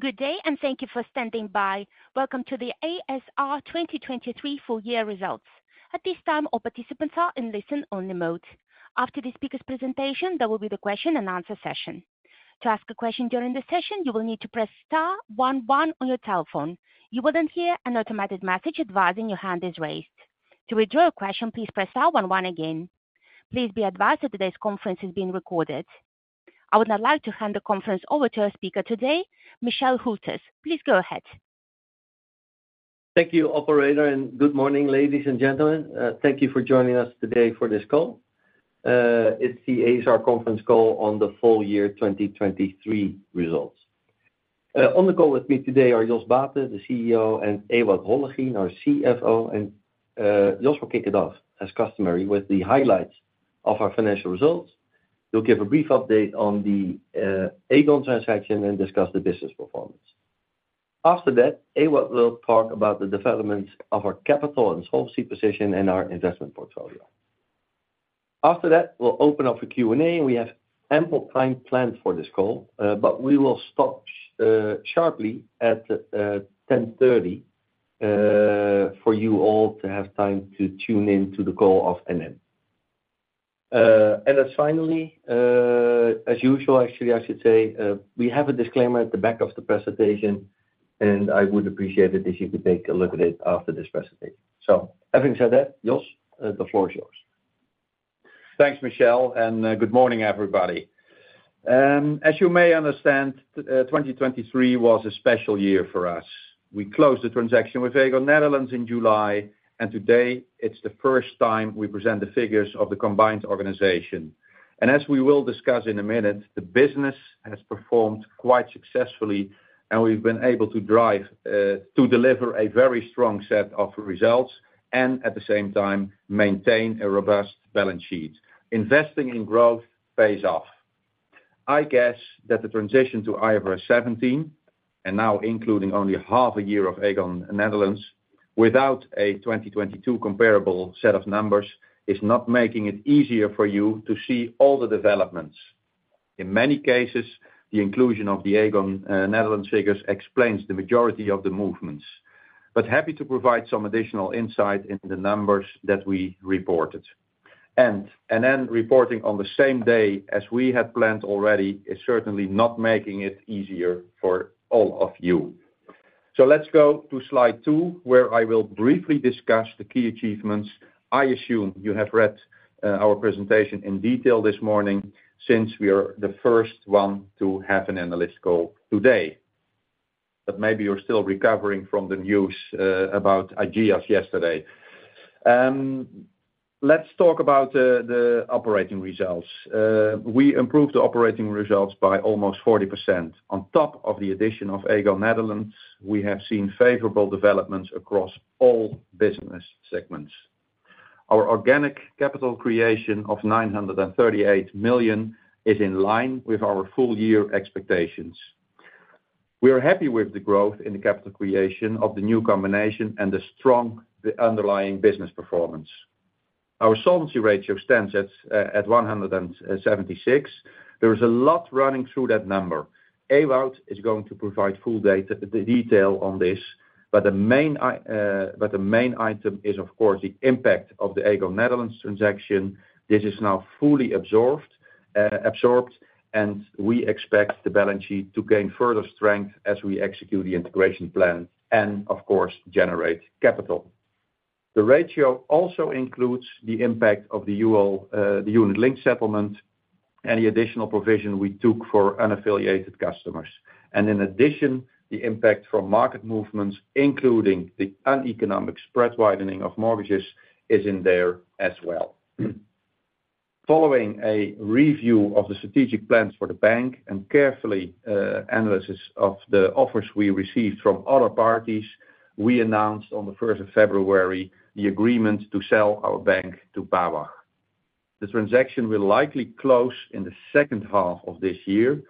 Good day and thank you for standing by. Welcome to the ASR 2023 full year results. At this time, all participants are in listen-only mode. After the speaker's presentation, there will be the question-and-answer session. To ask a question during the session, you will need to press star one one on your telephone. You will then hear an automated message advising your hand is raised. To withdraw a question, please press star one one again. Please be advised that today's conference is being recorded. I would now like to hand the conference over to our speaker today, Michel Hülters. Please go ahead. Thank you, operator, and good morning, ladies and gentlemen. Thank you for joining us today for this call. It's the ASR conference call on the full year 2023 results. On the call with me today are Jos Baeten, the CEO, and Ewout Hollegien, our CFO, and Jos will kick it off as customary with the highlights of our financial results. He'll give a brief update on the Aegon transaction and discuss the business performance. After that, Ewout will talk about the developments of our capital and solvency position and our investment portfolio. After that, we'll open up for Q&A, and we have ample time planned for this call, but we will stop sharply at 10:30 A.M. for you all to have time to tune in to the call of Annemiek. And then finally, as usual, actually, I should say, we have a disclaimer at the back of the presentation, and I would appreciate it if you could take a look at it after this presentation. So having said that, Jos, the floor is yours. Thanks, Michel, and good morning, everybody. As you may understand, 2023 was a special year for us. We closed the transaction with Aegon Nederland in July, and today it's the first time we present the figures of the combined organization. As we will discuss in a minute, the business has performed quite successfully, and we've been able to drive, to deliver a very strong set of results and, at the same time, maintain a robust balance sheet. Investing in growth pays off. I guess that the transition to IFRS 17, and now including only half a year of Aegon Nederland without a 2022 comparable set of numbers, is not making it easier for you to see all the developments. In many cases, the inclusion of the Aegon Nederland figures explains the majority of the movements, but happy to provide some additional insight in the numbers that we reported. Annemiek reporting on the same day as we had planned already is certainly not making it easier for all of you. So let's go to slide two, where I will briefly discuss the key achievements. I assume you have read our presentation in detail this morning since we are the first one to have an analyst call today, but maybe you're still recovering from the news about Aegon yesterday. Let's talk about the operating results. We improved the operating results by almost 40%. On top of the addition of Aegon Netherlands, we have seen favorable developments across all business segments. Our organic capital creation of 938 million is in line with our full-year expectations. We are happy with the growth in the capital creation of the new combination and the strong underlying business performance. Our solvency ratio stands at 176%. There is a lot running through that number. Ewout is going to provide full data the detail on this, but the main item is, of course, the impact of the Aegon Nederland transaction. This is now fully absorbed, and we expect the balance sheet to gain further strength as we execute the integration plan and, of course, generate capital. The ratio also includes the impact of the UL, the unit-linked settlement, any additional provision we took for unaffiliated customers. In addition, the impact from market movements, including the uneconomic spread widening of mortgages, is in there as well. Following a review of the strategic plans for the bank and careful analysis of the offers we received from other parties, we announced on the 1st of February the agreement to sell our bank to BAWAG. The transaction will likely close in the second half of this year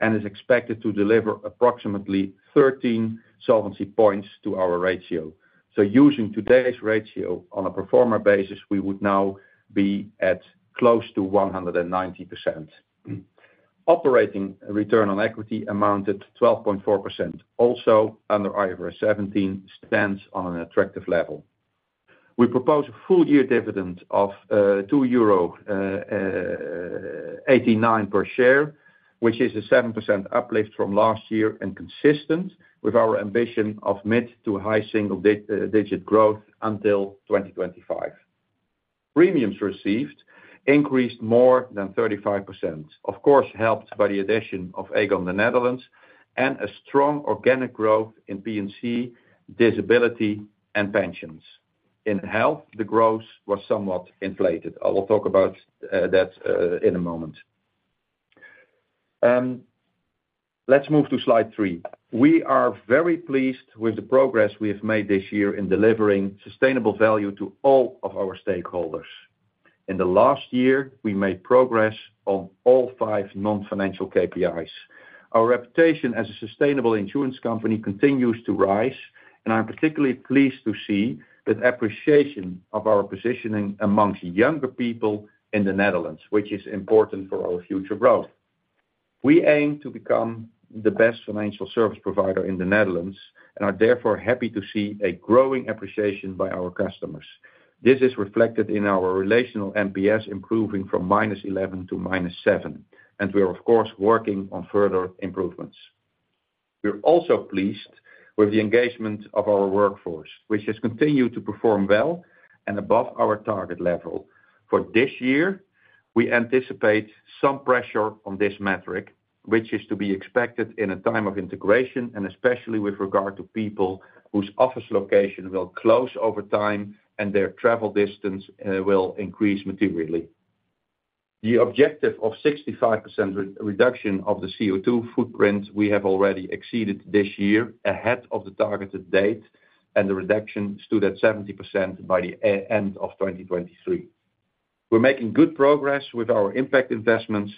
and is expected to deliver approximately 13 solvency points to our ratio. So using today's ratio on a pro forma basis, we would now be at close to 190%. Operating return on equity amounted to 12.4%. Also under IFRS 17 stands on an attractive level. We propose a full year dividend of 2.89 euro per share, which is a 7% uplift from last year and consistent with our ambition of mid- to high single-digit growth until 2025. Premiums received increased more than 35%, of course, helped by the addition of Aegon Netherlands and a strong organic growth in P&C, disability, and pensions. In health, the growth was somewhat inflated. I will talk about that in a moment. Let's move to slide three. We are very pleased with the progress we have made this year in delivering sustainable value to all of our stakeholders. In the last year, we made progress on all five non-financial KPIs. Our reputation as a sustainable insurance company continues to rise, and I'm particularly pleased to see the appreciation of our positioning among younger people in the Netherlands, which is important for our future growth. We aim to become the best financial service provider in the Netherlands and are therefore happy to see a growing appreciation by our customers. This is reflected in our relational NPS improving from -11 to -7, and we are, of course, working on further improvements. We're also pleased with the engagement of our workforce, which has continued to perform well and above our target level. For this year, we anticipate some pressure on this metric, which is to be expected in a time of integration, and especially with regard to people whose office location will close over time and their travel distance will increase materially. The objective of 65% reduction of the CO2 footprint we have already exceeded this year ahead of the targeted date, and the reduction stood at 70% by the end of 2023. We're making good progress with our impact investments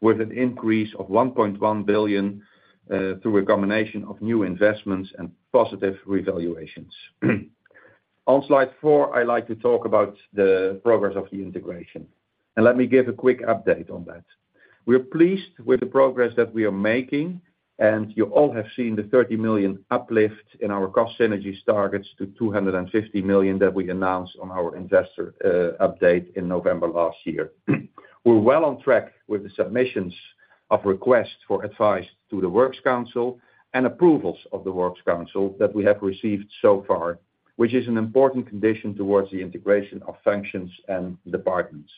with an increase of 1.1 billion, through a combination of new investments and positive revaluations. On slide four, I'd like to talk about the progress of the integration, and let me give a quick update on that. We're pleased with the progress that we are making, and you all have seen the 30 million uplift in our cost synergy targets to 250 million that we announced on our investor update in November last year. We're well on track with the submissions of requests for advice to the works council and approvals of the works council that we have received so far, which is an important condition towards the integration of functions and departments.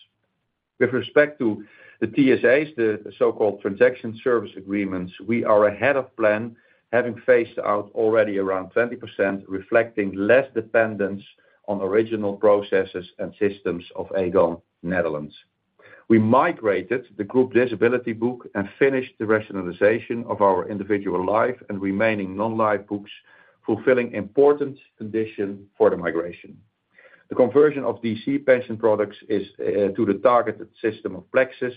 With respect to the TSAs, the so-called Transition Service Agreements, we are ahead of plan, having phased out already around 20%, reflecting less dependence on original processes and systems of Aegon Netherlands. We migrated the group disability book and finished the rationalization of our individual life and remaining non-life books, fulfilling important conditions for the migration. The conversion of DC pension products is to the targeted system of Plexus,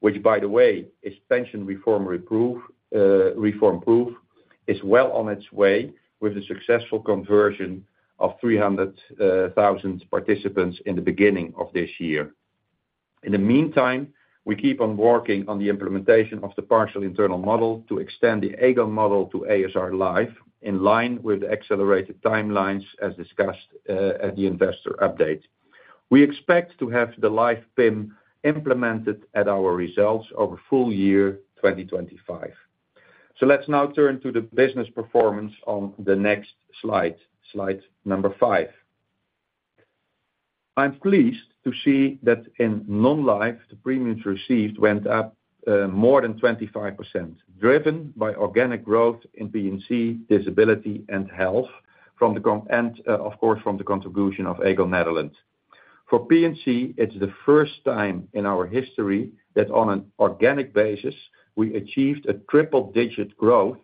which, by the way, is pension reform-proof, is well on its way with the successful conversion of 300,000 participants in the beginning of this year. In the meantime, we keep on working on the implementation of the partial internal model to extend the Aegon model to ASR life in line with the accelerated timelines as discussed at the investor update. We expect to have the live PIM implemented at our results over full year 2025. So let's now turn to the business performance on the next slide, slide number 5. I'm pleased to see that in non-life, the premiums received went up more than 25%, driven by organic growth in P&C, disability, and health from the Aegon and, of course, from the contribution of Aegon Netherlands. For P&C, it's the first time in our history that on an organic basis, we achieved a triple digit growth,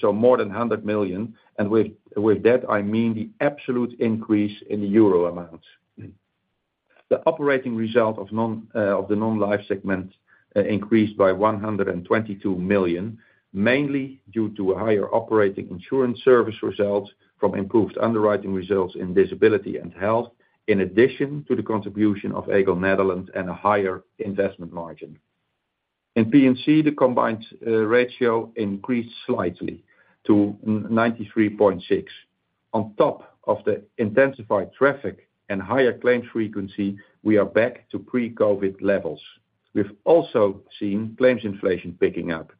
so more than 100 million, and with, with that, I mean the absolute increase in the euro amount. The operating result of non, of the non-life segment, increased by 122 million, mainly due to a higher operating insurance service result from improved underwriting results in disability and health, in addition to the contribution of Aegon Netherlands and a higher investment margin. In P&C, the combined ratio increased slightly to 93.6%. On top of the intensified traffic and higher claim frequency, we are back to pre-COVID levels. We've also seen claims inflation picking up.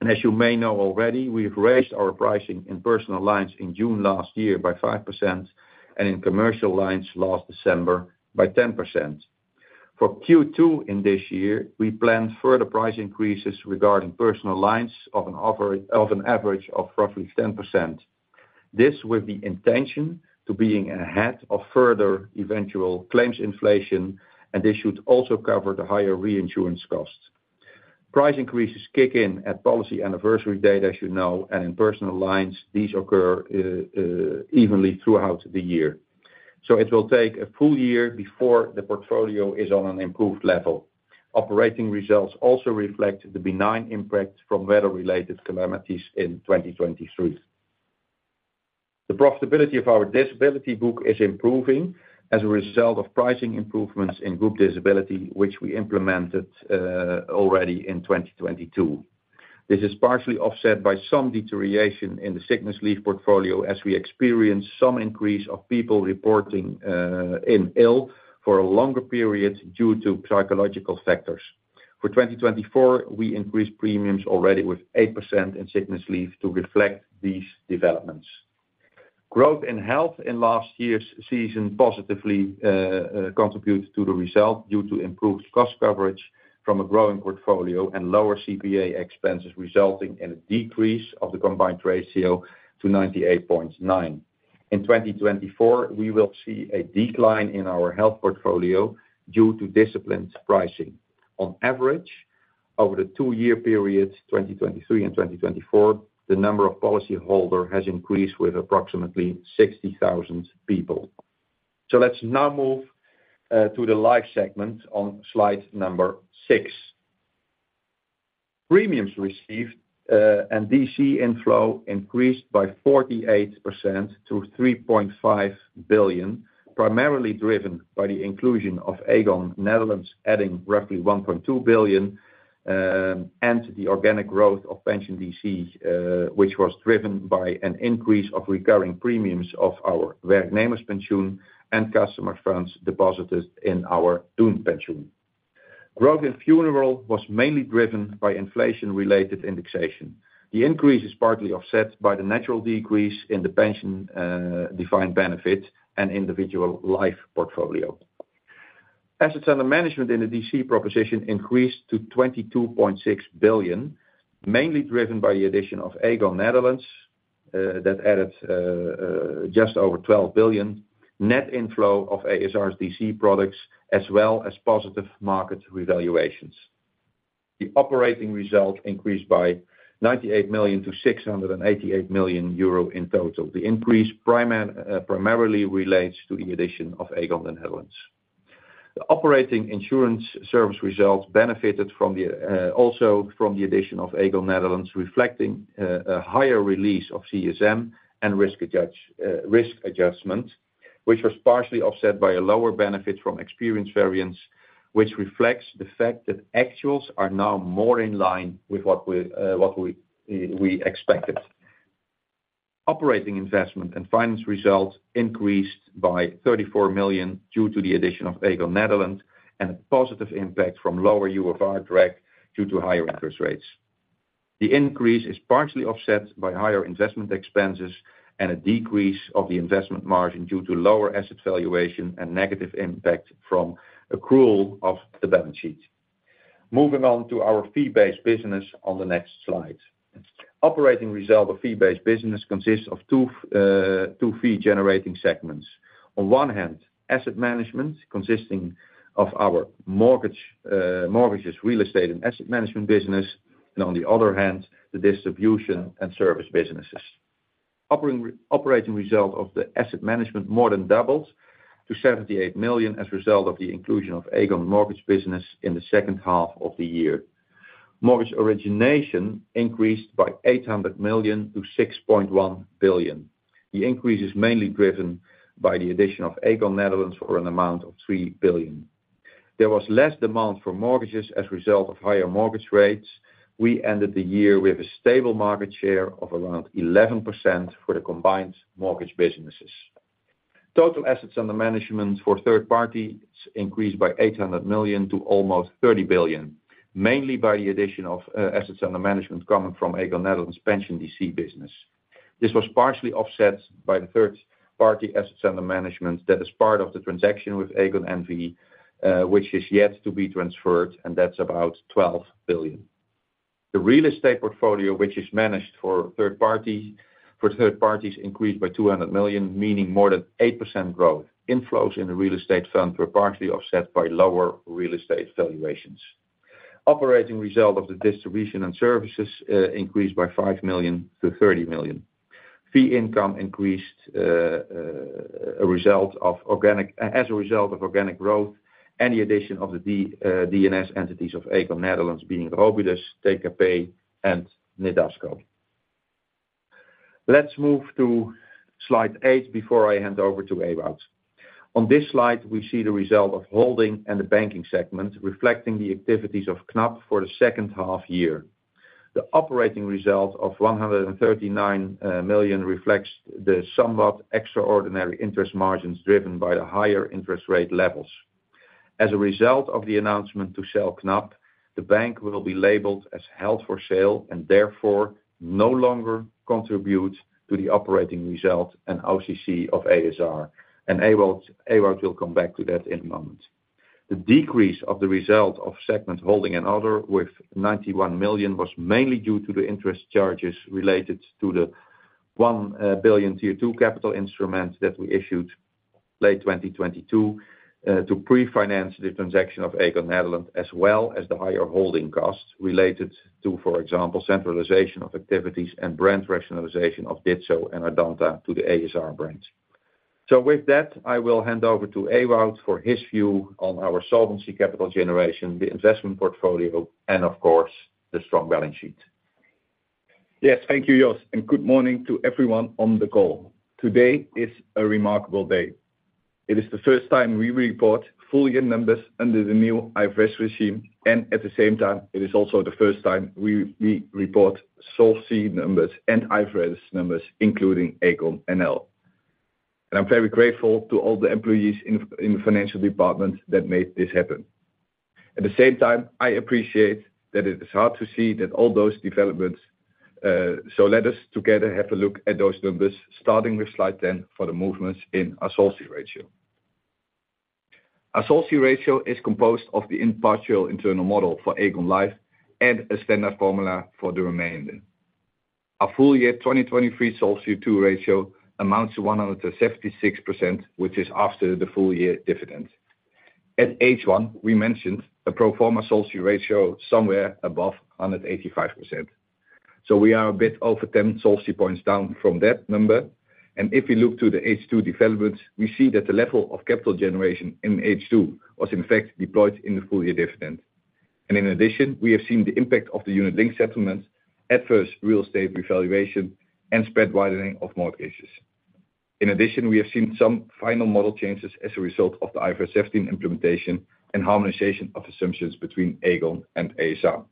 And as you may know already, we've raised our pricing in personal lines in June last year by 5% and in commercial lines last December by 10%. For Q2 in this year, we planned further price increases regarding personal lines, on average, of roughly 10%. This, with the intention of being ahead of further eventual claims inflation, and this should also cover the higher reinsurance costs. Price increases kick in at policy anniversary date, as you know, and in personal lines, these occur evenly throughout the year. So it will take a full year before the portfolio is on an improved level. Operating results also reflect the benign impact from weather-related calamities in 2023. The profitability of our disability book is improving as a result of pricing improvements in group disability, which we implemented already in 2022. This is partially offset by some deterioration in the sickness leave portfolio as we experienced some increase of people reporting ill for a longer period due to psychological factors. For 2024, we increased premiums already with 8% in sickness leave to reflect these developments. Growth in health in last year's season positively contributed to the result due to improved cost coverage from a growing portfolio and lower CPA expenses resulting in a decrease of the combined ratio to 98.9%. In 2024, we will see a decline in our health portfolio due to disciplined pricing. On average, over the two-year period 2023 and 2024, the number of policyholders has increased with approximately 60,000 people. So let's now move to the life segment on slide 6. Premiums received and DC inflow increased by 48% to 3.5 billion, primarily driven by the inclusion of Aegon Nederland, adding roughly 1.2 billion, and the organic growth of pension DC, which was driven by an increase of recurring premiums of our Werknemerspensioen and customer funds deposited in our Doenpensioen. Growth in funeral was mainly driven by inflation-related indexation. The increase is partly offset by the natural decrease in the pension, defined benefit and individual life portfolio. Assets under management in the DC proposition increased to 22.6 billion, mainly driven by the addition of Aegon Netherlands, that added just over 12 billion, net inflow of ASR's DC products, as well as positive market revaluations. The operating result increased by 98 million to 688 million euro in total. The increase primarily relates to the addition of Aegon the Netherlands. The operating insurance service result benefited from the, also from the addition of Aegon Netherlands, reflecting a higher release of CSM and risk adjustment, which was partially offset by a lower benefit from experience variance, which reflects the fact that actuals are now more in line with what we expected. Operating investment and finance result increased by 34 million due to the addition of Aegon Nederland and a positive impact from lower UFR drag due to higher interest rates. The increase is partially offset by higher investment expenses and a decrease of the investment margin due to lower asset valuation and negative impact from accrual of the balance sheet. Moving on to our fee-based business on the next slide. Operating result of fee-based business consists of two, two fee-generating segments. On one hand, asset management consisting of our mortgage, mortgages, real estate, and asset management business, and on the other hand, the distribution and service businesses. Operating result of the asset management more than doubled to 78 million as a result of the inclusion of Aegon mortgage business in the second half of the year. Mortgage origination increased by 800 million to 6.1 billion. The increase is mainly driven by the addition of Aegon Nederland for an amount of 3 billion. There was less demand for mortgages as a result of higher mortgage rates. We ended the year with a stable market share of around 11% for the combined mortgage businesses. Total assets under management for third parties increased by 800 million to almost 30 billion, mainly by the addition of assets under management coming from Aegon Nederland pension DC business. This was partially offset by the third-party assets under management that is part of the transaction with Aegon N.V., which is yet to be transferred, and that's about 12 billion. The real estate portfolio, which is managed for third parties, increased by 200 million, meaning more than 8% growth. Inflows in the real estate fund were partially offset by lower real estate valuations. Operating result of the distribution and services increased by 5 million to 30 million. Fee income increased, a result of organic as a result of organic growth and the addition of the D&S entities of Aegon Nederland, being Robidus, TKP, and Nedasco. Let's move to slide eight before I hand over to Ewout. On this slide, we see the result of holding and the banking segment reflecting the activities of Knab for the second half year. The operating result of 139 million reflects the somewhat extraordinary interest margins driven by the higher interest rate levels. As a result of the announcement to sell Knab, the bank will be labeled as held for sale and therefore no longer contribute to the operating result and OCG of ASR, and Ewout will come back to that in a moment. The decrease of the result of segment holding and other with 91 million was mainly due to the interest charges related to the 1 billion Tier 2 capital instrument that we issued late 2022, to pre-finance the transaction of Aegon Nederland, as well as the higher holding costs related to, for example, centralization of activities and brand rationalization of Ditzo and Ardanta to the ASR brands. So with that, I will hand over to Ewout for his view on our solvency capital generation, the investment portfolio, and of course, the strong balance sheet. Yes, thank you, Jos, and good morning to everyone on the call. Today is a remarkable day. It is the first time we report full year numbers under the new IFRS regime, and at the same time, it is also the first time we report Solvency numbers and IFRS numbers, including Aegon NL. I'm very grateful to all the employees in the financial department that made this happen. At the same time, I appreciate that it is hard to see that all those developments, so let us together have a look at those numbers, starting with slide 10, for the movements in our solvency ratio. Our solvency ratio is composed of the partial internal model for Aegon Life and a standard formula for the remainder. Our full year 2023 solvency ratio amounts to 176%, which is after the full year dividend. At H1, we mentioned a pro forma solvency ratio somewhere above 185%. So we are a bit over 10 solvency points down from that number. And if we look to the H2 developments, we see that the level of capital generation in H2 was, in fact, deployed in the full year dividend. In addition, we have seen the impact of the unit-linked settlements, adverse real estate revaluation, and spread widening of mortgages. In addition, we have seen some final model changes as a result of the IFRS 15 implementation and harmonization of assumptions between Aegon and ASR.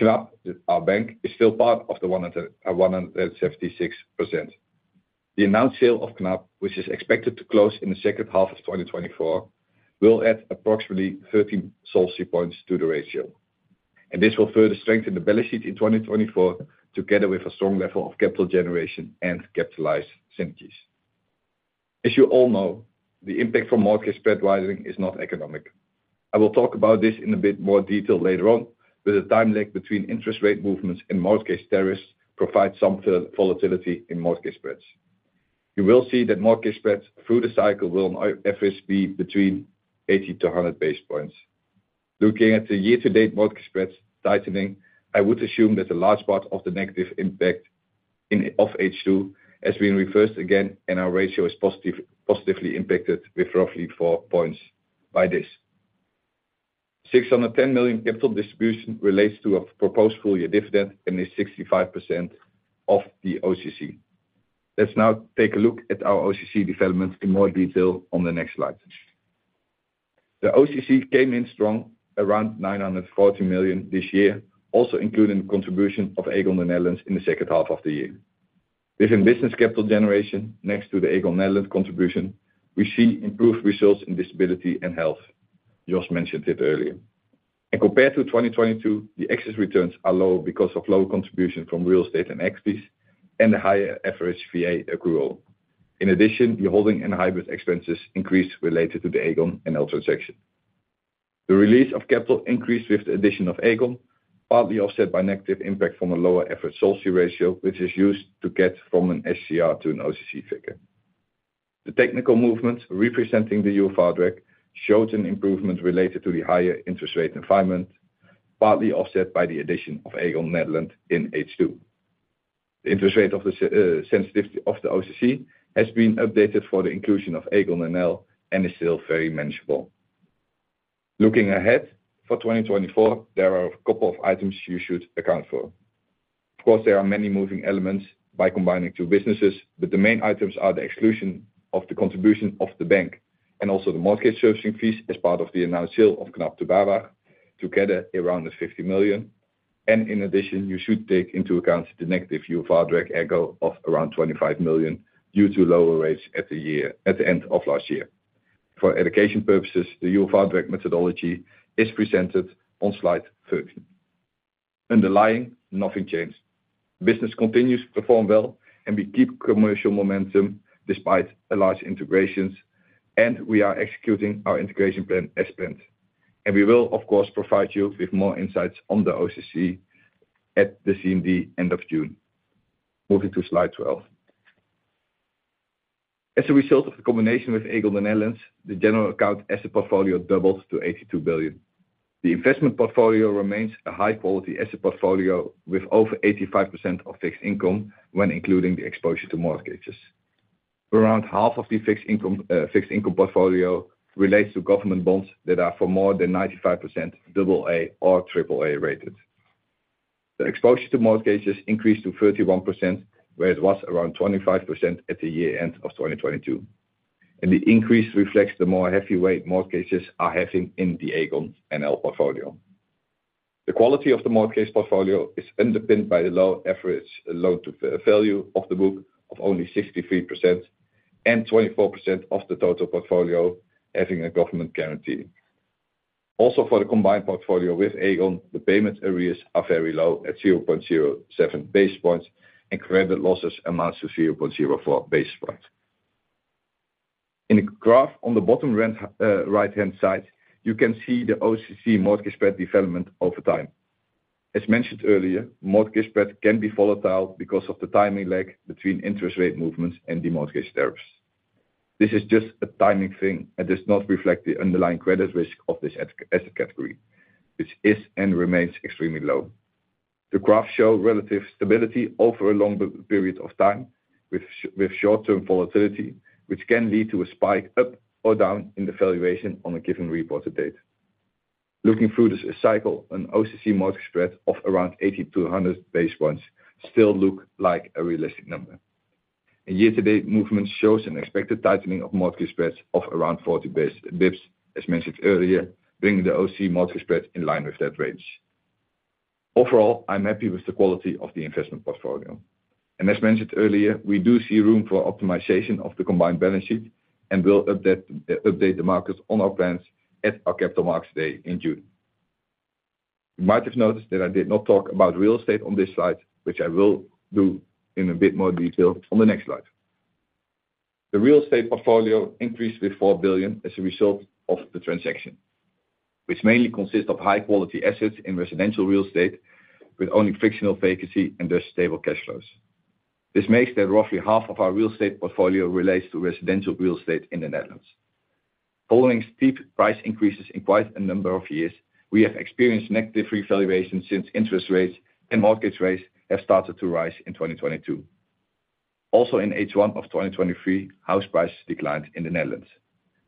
Knab, our bank, is still part of the 176%. The announced sale of Knab, which is expected to close in the second half of 2024, will add approximately 13 SOLC points to the ratio. This will further strengthen the balance sheet in 2024 together with a strong level of capital generation and capitalized synergies. As you all know, the impact from mortgage spread widening is not economic. I will talk about this in a bit more detail later on, but the time lag between interest rate movements and mortgage tariffs provides some volatility in mortgage spreads. You will see that mortgage spreads through the cycle will on average be between 80-100 basis points. Looking at the year-to-date mortgage spreads tightening, I would assume that a large part of the negative impact of H2 has been reversed again, and our ratio is positive, positively impacted with roughly 4 points by this. 610 million capital distribution relates to a proposed full year dividend and is 65% of the OCC. Let's now take a look at our OCC developments in more detail on the next slide. The OCC came in strong around 940 million this year, also including the contribution of Aegon Nederland in the second half of the year. Within business capital generation, next to the Aegon Nederland contribution, we see improved results in disability and health. Jos mentioned it earlier. Compared to 2022, the excess returns are lower because of lower contribution from real estate and equities and the higher average VA accrual. In addition, the holding and hybrid expenses increased related to the Aegon NL transaction. The release of capital increased with the addition of Aegon, partly offset by negative impact from a lower average SOLC ratio, which is used to get from an SCR to an OCC figure. The technical movements representing the UOVARDREC showed an improvement related to the higher interest rate environment, partly offset by the addition of Aegon Netherlands in H2. The interest rate sensitivity of the OCC has been updated for the inclusion of Aegon NL and is still very manageable. Looking ahead for 2024, there are a couple of items you should account for. Of course, there are many moving elements by combining two businesses, but the main items are the exclusion of the contribution of the bank and also the mortgage servicing fees as part of the announced sale of Knab to BAWAG together around 50 million. And in addition, you should take into account the negative UOVARDREC echo of around 25 million due to lower rates at the year at the end of last year. For education purposes, the UOVARDREC methodology is presented on slide 13. Underlying, nothing changed. Business continues to perform well, and we keep commercial momentum despite large integrations, and we are executing our integration plan as planned. And we will, of course, provide you with more insights on the OCC at the CMD end of June. Moving to slide 12. As a result of the combination with Aegon Nederland, the general account asset portfolio doubled to 82 billion. The investment portfolio remains a high-quality asset portfolio with over 85% of fixed income when including the exposure to mortgages. Around half of the fixed income portfolio relates to government bonds that are for more than 95% AA or AAA rated. The exposure to mortgages increased to 31%, where it was around 25% at the year-end of 2022. The increase reflects the more heavyweight mortgages are having in the Aegon NL portfolio. The quality of the mortgage portfolio is underpinned by the low average loan-to-value of the book of only 63% and 24% of the total portfolio having a government guarantee. Also, for the combined portfolio with Aegon, the payment arrears are very low at 0.07 base points and credit losses amount to 0.04 base points. In the graph on the bottom right-hand side, you can see the OCC mortgage spread development over time. As mentioned earlier, mortgage spread can be volatile because of the timing lag between interest rate movements and the mortgage tariffs. This is just a timing thing and does not reflect the underlying credit risk of this asset category, which is and remains extremely low. The graphs show relative stability over a long period of time with short-term volatility, which can lead to a spike up or down in the valuation on a given reported date. Looking through this cycle, an OCC mortgage spread of around 80-100 basis points still looks like a realistic number. A year-to-date movement shows an expected tightening of mortgage spreads of around 40 basis points, as mentioned earlier, bringing the OCC mortgage spread in line with that range. Overall, I'm happy with the quality of the investment portfolio. As mentioned earlier, we do see room for optimization of the combined balance sheet and will update the markets on our plans at our Capital Markets Day in June. You might have noticed that I did not talk about real estate on this slide, which I will do in a bit more detail on the next slide. The real estate portfolio increased with 4 billion as a result of the transaction, which mainly consists of high-quality assets in residential real estate with only frictional vacancy and thus stable cash flows. This makes that roughly half of our real estate portfolio relates to residential real estate in the Netherlands. Following steep price increases in quite a number of years, we have experienced negative revaluations since interest rates and mortgage rates have started to rise in 2022. Also, in H1 of 2023, house prices declined in the Netherlands.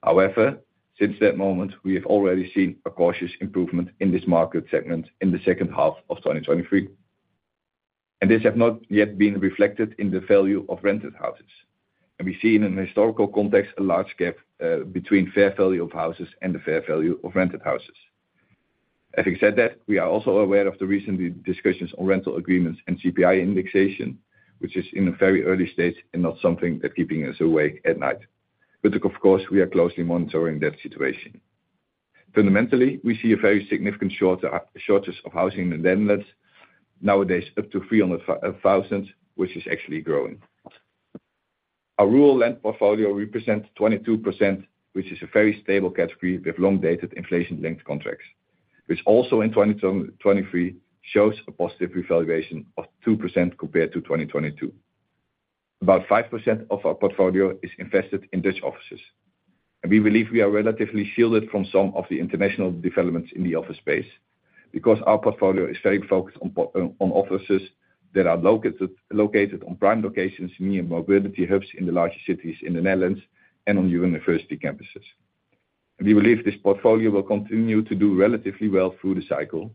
However, since that moment, we have already seen a cautious improvement in this market segment in the second half of 2023. This has not yet been reflected in the value of rented houses. We see in a historical context a large gap between fair value of houses and the fair value of rented houses. Having said that, we are also aware of the recent discussions on rental agreements and CPI indexation, which is in a very early stage and not something that's keeping us awake at night, but of course, we are closely monitoring that situation. Fundamentally, we see a very significant shortage of housing in the Netherlands, nowadays up to 300,000, which is actually growing. Our rural land portfolio represents 22%, which is a very stable category with long-dated inflation-linked contracts, which also in 2023 shows a positive revaluation of 2% compared to 2022. About 5% of our portfolio is invested in Dutch offices. We believe we are relatively shielded from some of the international developments in the office space because our portfolio is very focused on offices that are located on prime locations near mobility hubs in the larger cities in the Netherlands and on university campuses. We believe this portfolio will continue to do relatively well through the cycle,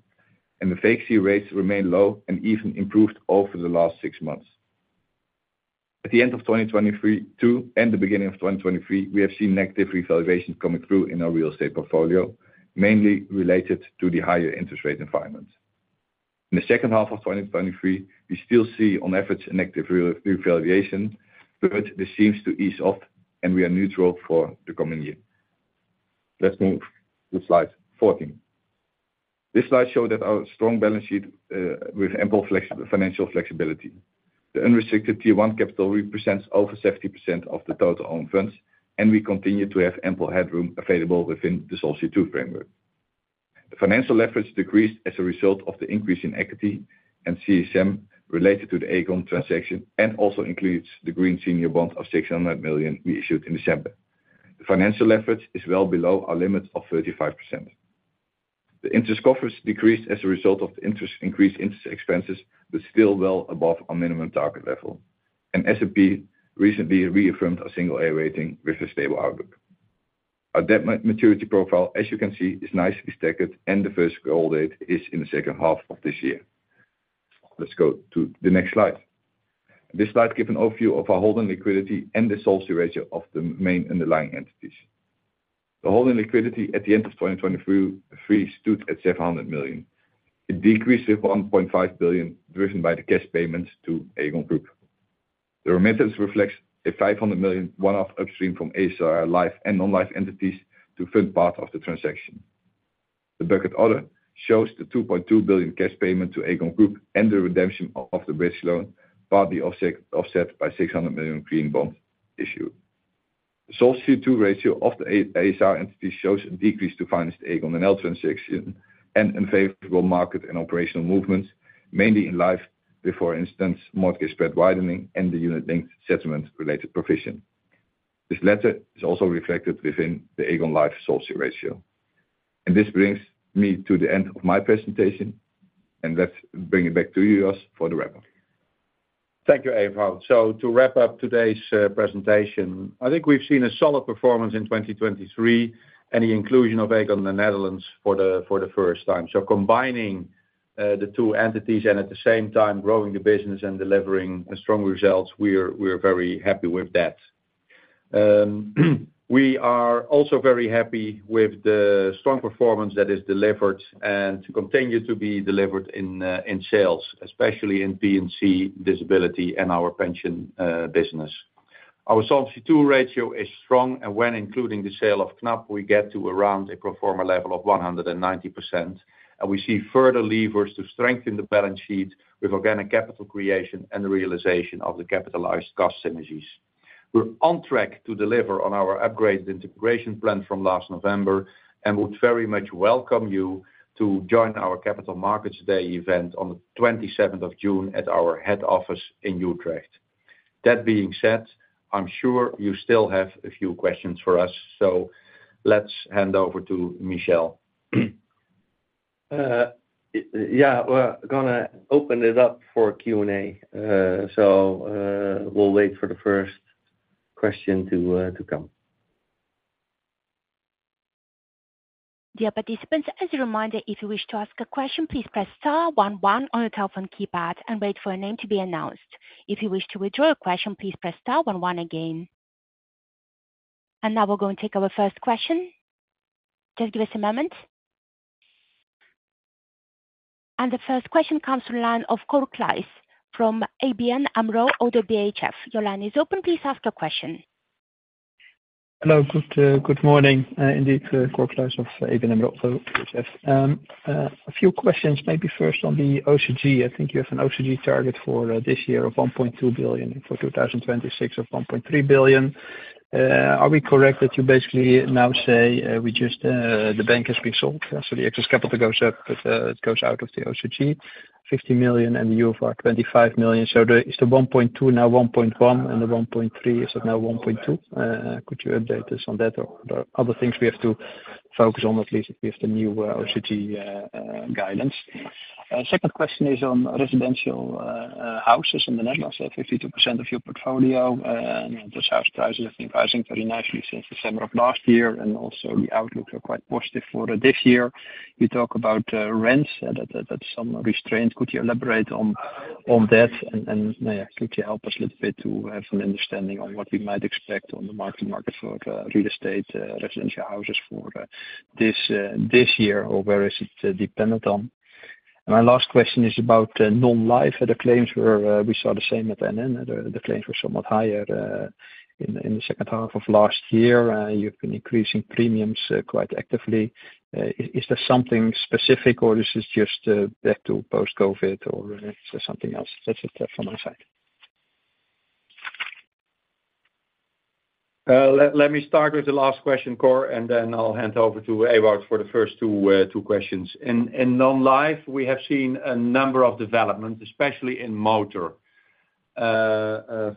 and the vacancy rates remain low and even improved over the last six months. At the end of 2022 and the beginning of 2023, we have seen negative revaluations coming through in our real estate portfolio, mainly related to the higher interest rate environment. In the second half of 2023, we still see on average a negative revaluation, but this seems to ease off, and we are neutral for the coming year. Let's move to slide 14. This slide shows that our strong balance sheet, with ample financial flexibility. The unrestricted tier 1 capital represents over 70% of the total owned funds, and we continue to have ample headroom available within the Solvency II framework. The financial leverage decreased as a result of the increase in equity and CSM related to the Aegon transaction and also includes the green senior bond of 600 million we issued in December. The financial leverage is well below our limit of 35%. The interest coverage decreased as a result of the increased interest expenses, but still well above our minimum target level. S&P recently reaffirmed a single A rating with a stable outlook. Our debt maturity profile, as you can see, is nicely stacked, and the first call date is in the second half of this year. Let's go to the next slide. This slide gives an overview of our holding liquidity and the SOLC ratio of the main underlying entities. The holding liquidity at the end of 2023 stood at 700 million. It decreased with 1.5 billion, driven by the cash payments to Aegon Group. The remittance reflects a 500 million one-off upstream from ASR Life and Non-Life entities to fund part of the transaction. The bucket order shows the 2.2 billion cash payment to Aegon Group and the redemption of the bridge loan, partly offset by 600 million green bond issued. The Solvency ratio of the ASR entities shows a decrease due to the financed Aegon NL transaction and unfavorable market and operational movements, mainly in life before, for instance, mortgage spread widening and the unit-linked settlement-related provision. This latter is also reflected within the Aegon Life Solvency ratio. This brings me to the end of my presentation, and let's bring it back to you, Jos, for the wrap-up. Thank you, Ewout. So to wrap up today's presentation, I think we've seen a solid performance in 2023 and the inclusion of Aegon Nederland for the first time. So combining the two entities and at the same time growing the business and delivering strong results, we're very happy with that. We are also very happy with the strong performance that is delivered and continues to be delivered in sales, especially in P&C, disability, and our pension business. Our Solvency II ratio is strong, and when including the sale of Knab, we get to around a performer level of 190%, and we see further levers to strengthen the balance sheet with organic capital creation and the realization of the capitalized cost synergies. We're on track to deliver on our upgraded integration plan from last November and would very much welcome you to join our Capital Markets Day event on the 27th of June at our head office in Utrecht. That being said, I'm sure you still have a few questions for us, so let's hand over to Michel. Yeah, we're gonna open it up for Q&A, so, we'll wait for the first question to, to come. Dear participants, as a reminder, if you wish to ask a question, please press star one one on your telephone keypad and wait for a name to be announced. If you wish to withdraw a question, please press star one one again. And now we're going to take our first question. Just give us a moment. And the first question comes online of Cor Kluis from ABN AMRO ODDO BHF. Your line is open. Please ask your question. Hello. Good, good morning. Indeed, Cor Kluis of ABN AMRO ODDO BHF. A few questions. Maybe first on the OCG. I think you have an OCG target for this year of 1.2 billion and for 2026 of 1.3 billion. Are we correct that you basically now say we just, the bank has been sold, so the excess capital goes up, but it goes out of the OCG? 50 million and the UOVAR 25 million. So is the 1.2 now 1.1, and the 1.3, is it now 1.2? Could you update us on that or are there other things we have to focus on, at least if we have the new OCG guidance? Second question is on residential houses. In the Netherlands, 52% of your portfolio, and those house prices have been rising very nicely since the summer of last year, and also the outlooks are quite positive for this year. You talk about rents, that that's some restraint. Could you elaborate on that and, yeah, could you help us a little bit to have an understanding on what we might expect on the mortgage market for real estate, residential houses for this year, or where is it dependent on? And my last question is about non-life. The claims were. We saw the same at NN. The claims were somewhat higher in the second half of last year. You've been increasing premiums quite actively. Is there something specific, or is this just back to post-COVID, or is there something else? That's it, from my side. Let me start with the last question, Cor, and then I'll hand over to Ewout for the first two questions. In Non-Life, we have seen a number of developments, especially in motor.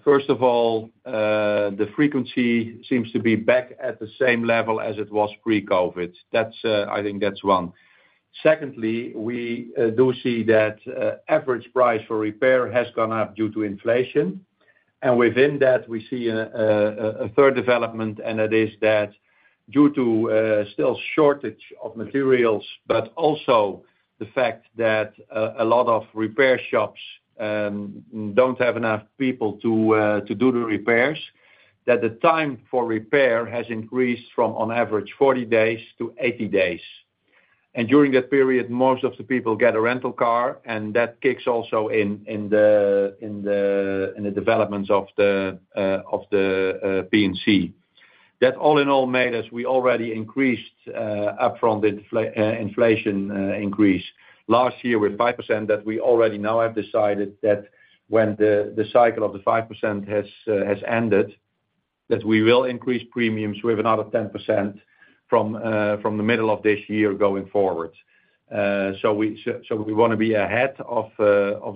First of all, the frequency seems to be back at the same level as it was pre-COVID. That's one. Secondly, we do see that average price for repair has gone up due to inflation. And within that, we see a third development, and that is that due to still shortage of materials, but also the fact that a lot of repair shops don't have enough people to do the repairs, that the time for repair has increased from, on average, 40 days to 80 days. And during that period, most of the people get a rental car, and that kicks also in, in the developments of the P&C. That all in all made us we already increased upfront inflation increase last year with 5%, that we already now have decided that when the cycle of the 5% has ended, that we will increase premiums with another 10% from the middle of this year going forward. So we want to be ahead of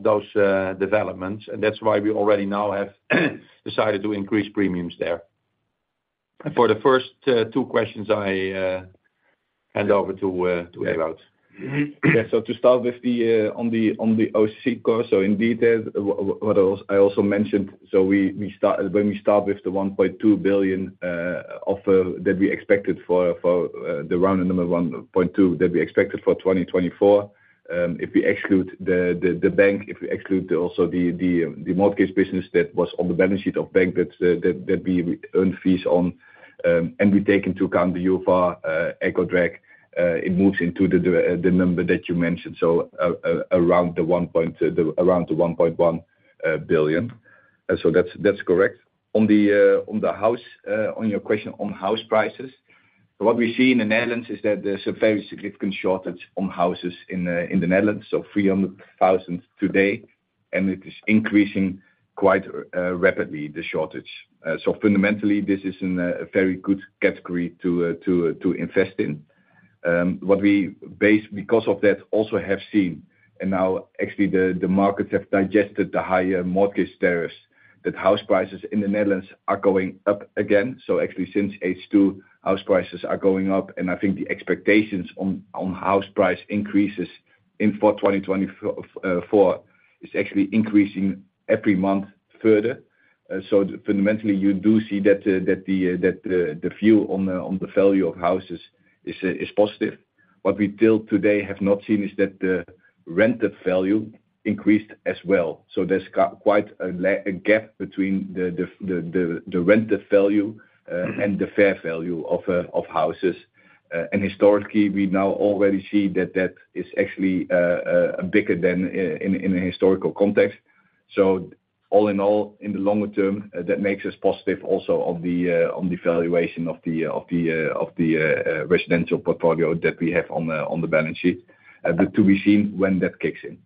those developments, and that's why we already now have decided to increase premiums there. For the first two questions, I hand over to Ewout. Yeah. So to start with, on the OCC course, so in detail, what I also mentioned, so we start with the 1.2 billion of that we expected for the round number 1.2 that we expected for 2024, if we exclude the bank, if we also exclude the mortgage business that was on the balance sheet of the bank that we earned fees on, and we take into account the UOVARDREC, it moves into the number that you mentioned, so around the 1.1 billion. So that's correct. On the house, on your question on house prices, what we see in the Netherlands is that there's a very significant shortage on houses in the Netherlands, so 300,000 today, and it is increasing quite rapidly, the shortage. So fundamentally, this is a very good category to invest in. What we base because of that also have seen, and now actually the markets have digested the higher mortgage tariffs, that house prices in the Netherlands are going up again. So actually since H2, house prices are going up, and I think the expectations on house price increases for 2024 is actually increasing every month further. So fundamentally, you do see that the view on the value of houses is positive. What we till today have not seen is that the rented value increased as well. So there's quite a gap between the rented value and the fair value of houses. And historically, we now already see that that is actually bigger than in a historical context. So all in all, in the longer term, that makes us positive also on the valuation of the residential portfolio that we have on the balance sheet. But to be seen when that kicks in.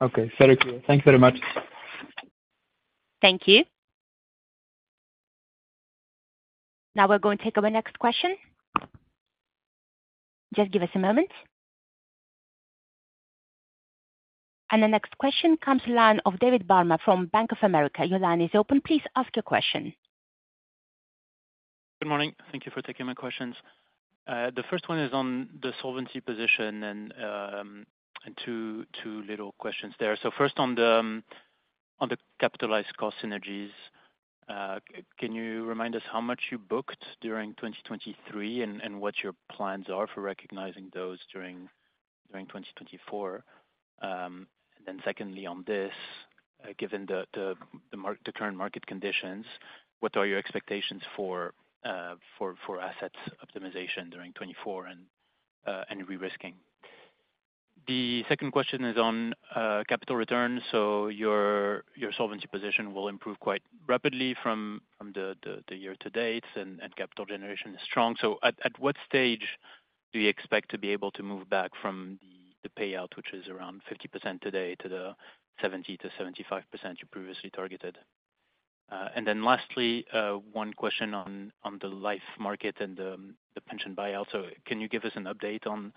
Okay. Very clear. Thanks very much. Thank you. Now we're going to take our next question. Just give us a moment. The next question comes online of David Barma from Bank of America. Your line is open. Please ask your question. Good morning. Thank you for taking my questions. The first one is on the solvency position and two little questions there. So first on the capitalized cost synergies. Can you remind us how much you booked during 2023 and what your plans are for recognizing those during 2024? And then secondly, on this, given the current market conditions, what are your expectations for assets optimization during 2024 and re-risking? The second question is on capital return. So your solvency position will improve quite rapidly from the year to date and capital generation is strong. So at what stage do you expect to be able to move back from the payout, which is around 50% today, to the 70%-75% you previously targeted? And then lastly, one question on the life market and the pension buyout. So can you give us an update on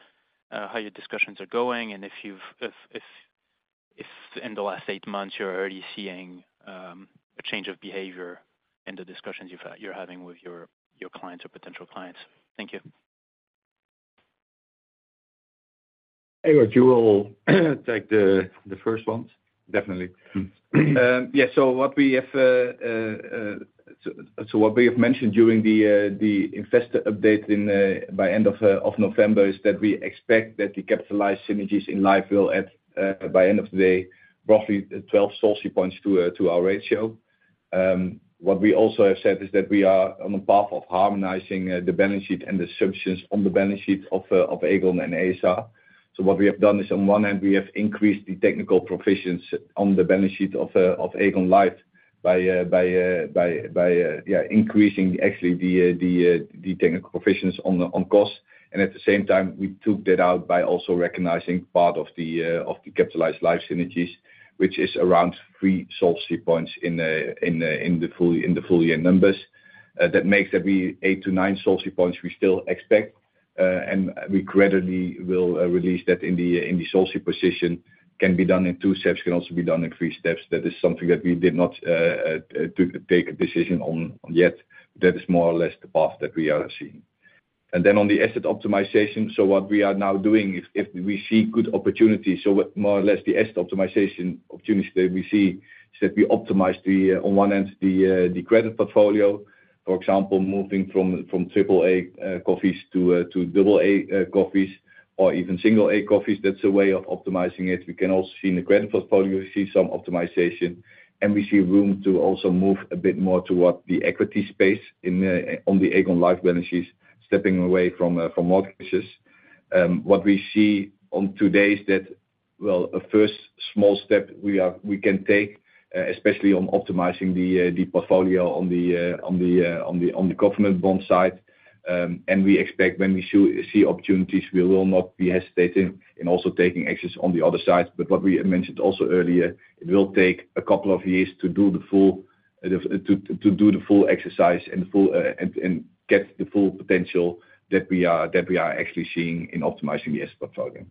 how your discussions are going and if, in the last eight months, you're already seeing a change of behavior in the discussions you've had you're having with your clients or potential clients? Thank you. Ewout, you will take the first one. Definitely. Yeah, so what we have mentioned during the investor update by end of November is that we expect that the capitalized synergies in life will add, by end of the day, roughly 12 solvency points to our ratio. What we also have said is that we are on the path of harmonizing the balance sheet and the subsidiaries on the balance sheet of Aegon and ASR. So what we have done is, on one hand, we have increased the technical provisions on the balance sheet of Aegon Life by increasing actually the technical provisions on cost. At the same time, we took that out by also recognizing part of the capitalized life synergies, which is around three SOLC points in the full year numbers. That makes that we eight to nine SOLC points we still expect, and we gradually will release that in the SOLC position. Can be done in two steps. Can also be done in three steps. That is something that we did not take a decision on yet. That is more or less the path that we are seeing. Then on the asset optimization, so what we are now doing, if we see good opportunities, so more or less the asset optimization opportunities that we see is that we optimize the, on one hand, the credit portfolio, for example, moving from triple-A corporates to double-A corporates or even single-A corporates. That's a way of optimizing it. We can also see in the credit portfolio, we see some optimization, and we see room to also move a bit more toward the equity space in, on the Aegon Life balances, stepping away from mortgages. What we see today is that, well, a first small step we can take, especially on optimizing the portfolio on the government bond side. And we expect when we see opportunities, we will not be hesitating in also taking actions on the other side. But what we mentioned also earlier, it will take a couple of years to do the full exercise and get the full potential that we are actually seeing in optimizing the asset portfolio.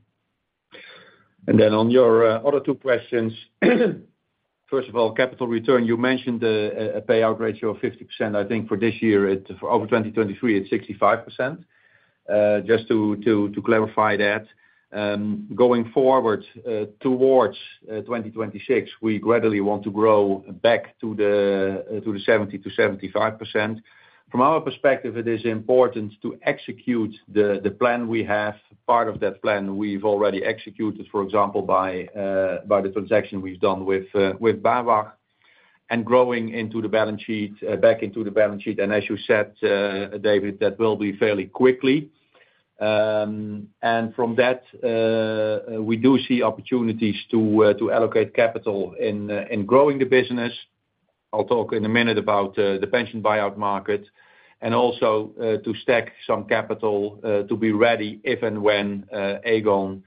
And then on your other two questions, first of all, capital return, you mentioned a payout ratio of 50%. I think for this year, it's for 2023, it's 65%. Just to clarify that, going forward, towards 2026, we gradually want to grow back to the 70%-75%. From our perspective, it is important to execute the plan we have. Part of that plan, we've already executed, for example, by the transaction we've done with BAWAG and growing into the balance sheet, back into the balance sheet. And as you said, David, that will be fairly quickly. And from that, we do see opportunities to allocate capital in growing the business. I'll talk in a minute about the pension buyout market and also to stack some capital to be ready if and when Aegon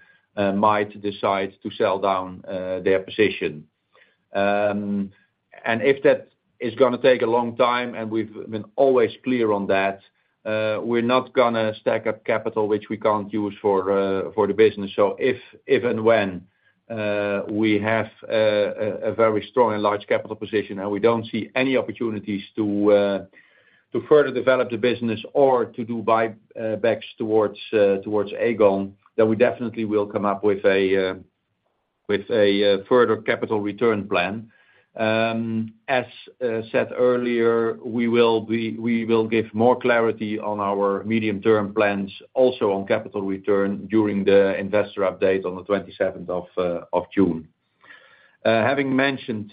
might decide to sell down their position. And if that is going to take a long time, and we've been always clear on that, we're not going to stack up capital which we can't use for the business. So if, if and when, we have a very strong and large capital position and we don't see any opportunities to further develop the business or to do buybacks towards Aegon, then we definitely will come up with a further capital return plan. As said earlier, we will be we will give more clarity on our medium-term plans, also on capital return during the investor update on the 27th of June. Having mentioned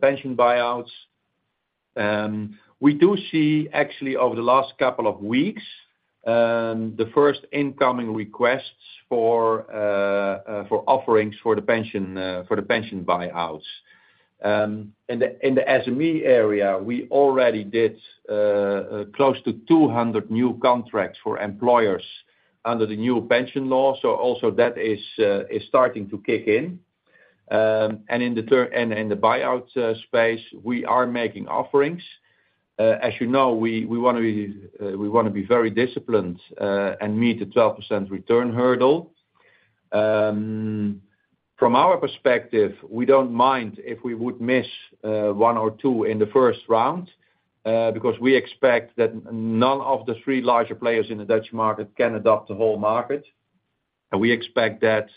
pension buyouts, we do see actually over the last couple of weeks the first incoming requests for offerings for the pension buyouts. In the SME area, we already did close to 200 new contracts for employers under the new pension law. So also that is starting to kick in. And in the term and in the buyout space, we are making offerings. As you know, we want to be very disciplined and meet the 12% return hurdle. From our perspective, we don't mind if we would miss one or two in the first round, because we expect that none of the three larger players in the Dutch market can adopt the whole market. And we expect that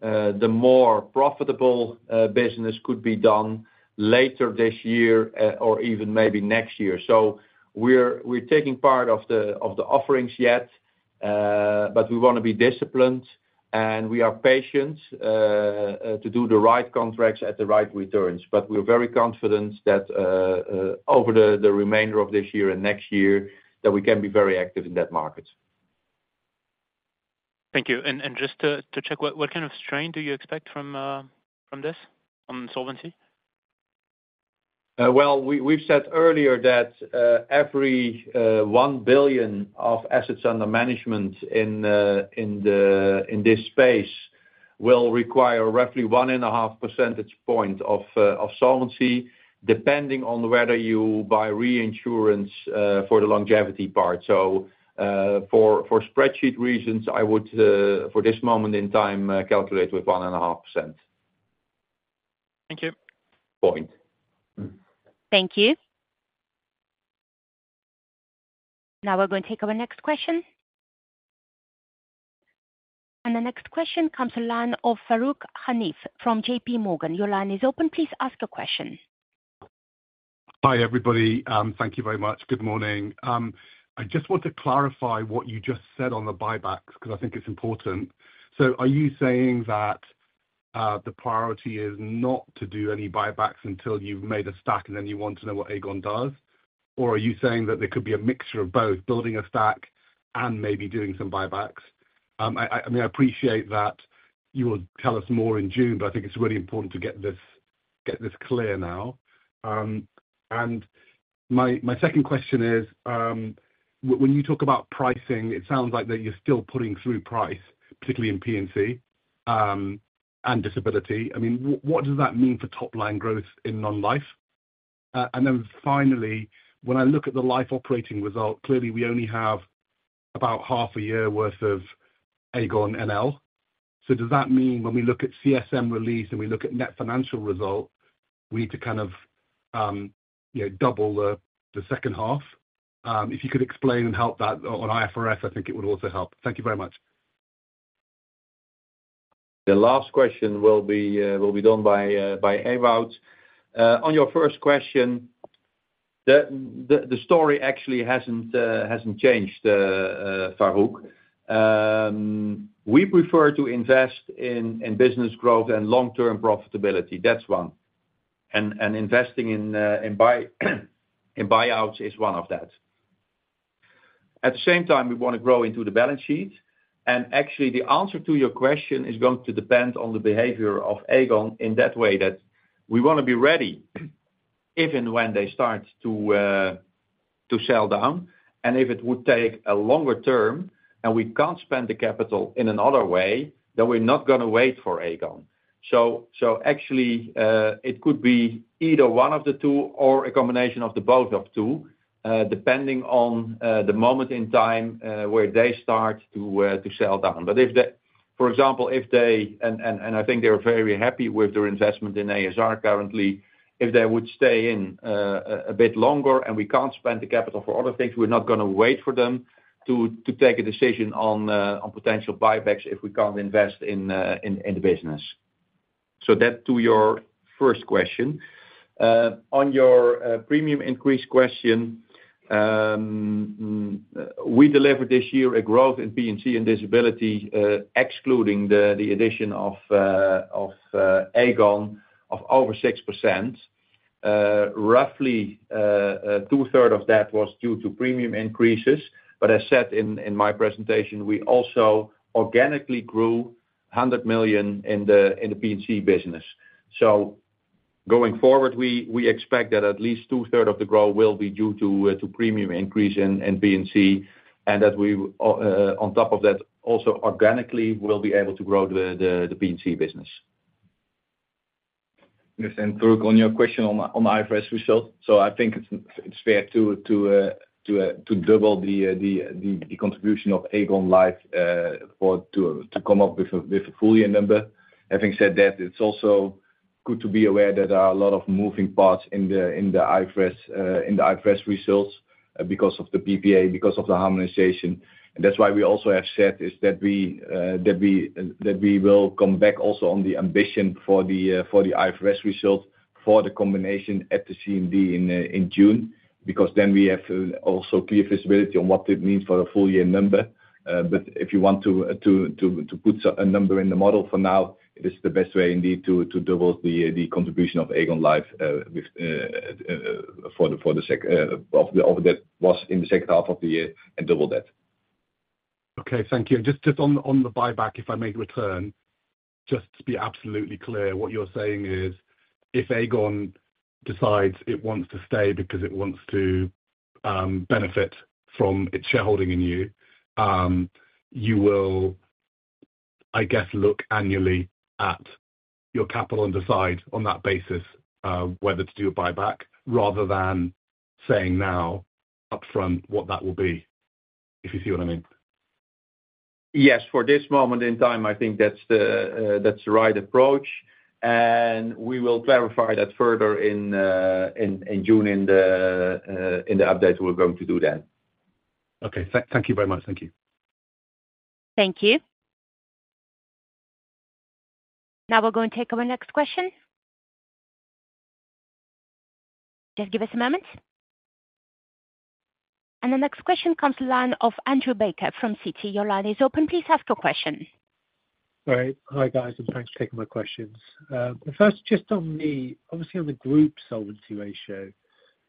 the more profitable business could be done later this year, or even maybe next year. So we're taking part of the offerings yet, but we want to be disciplined, and we are patient, to do the right contracts at the right returns. But we're very confident that, over the remainder of this year and next year, that we can be very active in that market. Thank you. Just to check, what kind of strain do you expect from this on solvency? Well, we've said earlier that every 1 billion of assets under management in this space will require roughly 1.5 percentage point of solvency, depending on whether you buy reinsurance for the longevity part. So, for spreadsheet reasons, I would, for this moment in time, calculate with 1.5%. Thank you. Point. Thank you. Now we're going to take our next question. The next question comes online of Farooq Hanif from JP Morgan. Your line is open. Please ask your question. Hi everybody. Thank you very much. Good morning. I just want to clarify what you just said on the buybacks because I think it's important. So are you saying that, the priority is not to do any buybacks until you've made a stack and then you want to know what Aegon does? Or are you saying that there could be a mixture of both, building a stack and maybe doing some buybacks? I, I mean, I appreciate that you will tell us more in June, but I think it's really important to get this get this clear now. My, my second question is, when you talk about pricing, it sounds like that you're still putting through price, particularly in P&C, and disability. I mean, what, what does that mean for top-line growth in non-life? Then finally, when I look at the life operating result, clearly we only have about half a year worth of Aegon NL. So does that mean when we look at CSM release and we look at net financial result, we need to kind of, you know, double the second half? If you could explain and help that on IFRS, I think it would also help. Thank you very much. The last question will be done by Ewout. On your first question, the story actually hasn't changed, Farooq. We prefer to invest in business growth and long-term profitability. That's one. And investing in buy-in buyouts is one of that. At the same time, we want to grow into the balance sheet. And actually, the answer to your question is going to depend on the behavior of Aegon in that way that we want to be ready if and when they start to sell down. And if it would take a longer term and we can't spend the capital in another way, then we're not going to wait for Aegon. So, actually, it could be either one of the two or a combination of the both of two, depending on the moment in time where they start to sell down. But if they, for example, if they and I think they're very happy with their investment in ASR currently, if they would stay in a bit longer and we can't spend the capital for other things, we're not going to wait for them to take a decision on potential buybacks if we can't invest in the business. So that to your first question. On your premium increase question, we delivered this year a growth in P&C and disability, excluding the addition of Aegon of over 6%. Roughly, two-thirds of that was due to premium increases. But as said in my presentation, we also organically grew 100 million in the P&C business. So going forward, we expect that at least two-thirds of the growth will be due to premium increase in P&C and that we, on top of that, also organically will be able to grow the P&C business. Yes. And Farouk, on your question on IFRS result, so I think it's fair to double the contribution of Aegon Life to come up with a full year number. Having said that, it's also good to be aware that there are a lot of moving parts in the IFRS results because of the PPA, because of the harmonization. And that's why we also have said is that we will come back also on the ambition for the IFRS result for the combination at the CMD in June because then we have also clear visibility on what it means for a full year number. But if you want to put a number in the model for now, it is the best way indeed to double the contribution of Aegon Life for the second half of the year and double that. Okay. Thank you. Just on the buyback, if I may return, just to be absolutely clear, what you're saying is if Aegon decides it wants to stay because it wants to benefit from its shareholding in you, you will, I guess, look annually at your capital and decide on that basis whether to do a buyback rather than saying now upfront what that will be, if you see what I mean. Yes. For this moment in time, I think that's the right approach. And we will clarify that further in June, in the update we're going to do then. Okay. Thank you very much. Thank you. Thank you. Now we're going to take our next question. Just give us a moment. And the next question comes online from Andrew Baker of Citi. Your line is open. Please ask your question. All right. Hi guys. Thanks for taking my questions. First, just on the obviously, on the group solvency ratio,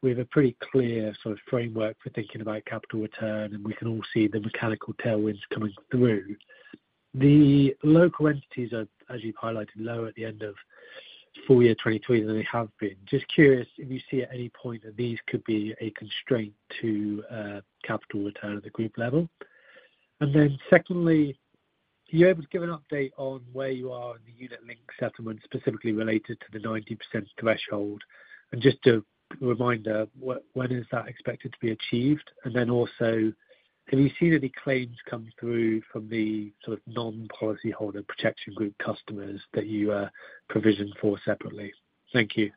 we have a pretty clear sort of framework for thinking about capital return, and we can all see the mechanical tailwinds coming through. The local entities are, as you've highlighted, lower at the end of full year 2023 than they have been. Just curious if you see at any point that these could be a constraint to capital return at the group level. And then secondly, are you able to give an update on where you are in the unit-linked settlement specifically related to the 90% threshold? And just a reminder, what, when is that expected to be achieved? And then also, have you seen any claims come through from the sort of non-policyholder protection group customers that you are provisioned for separately? Thank you.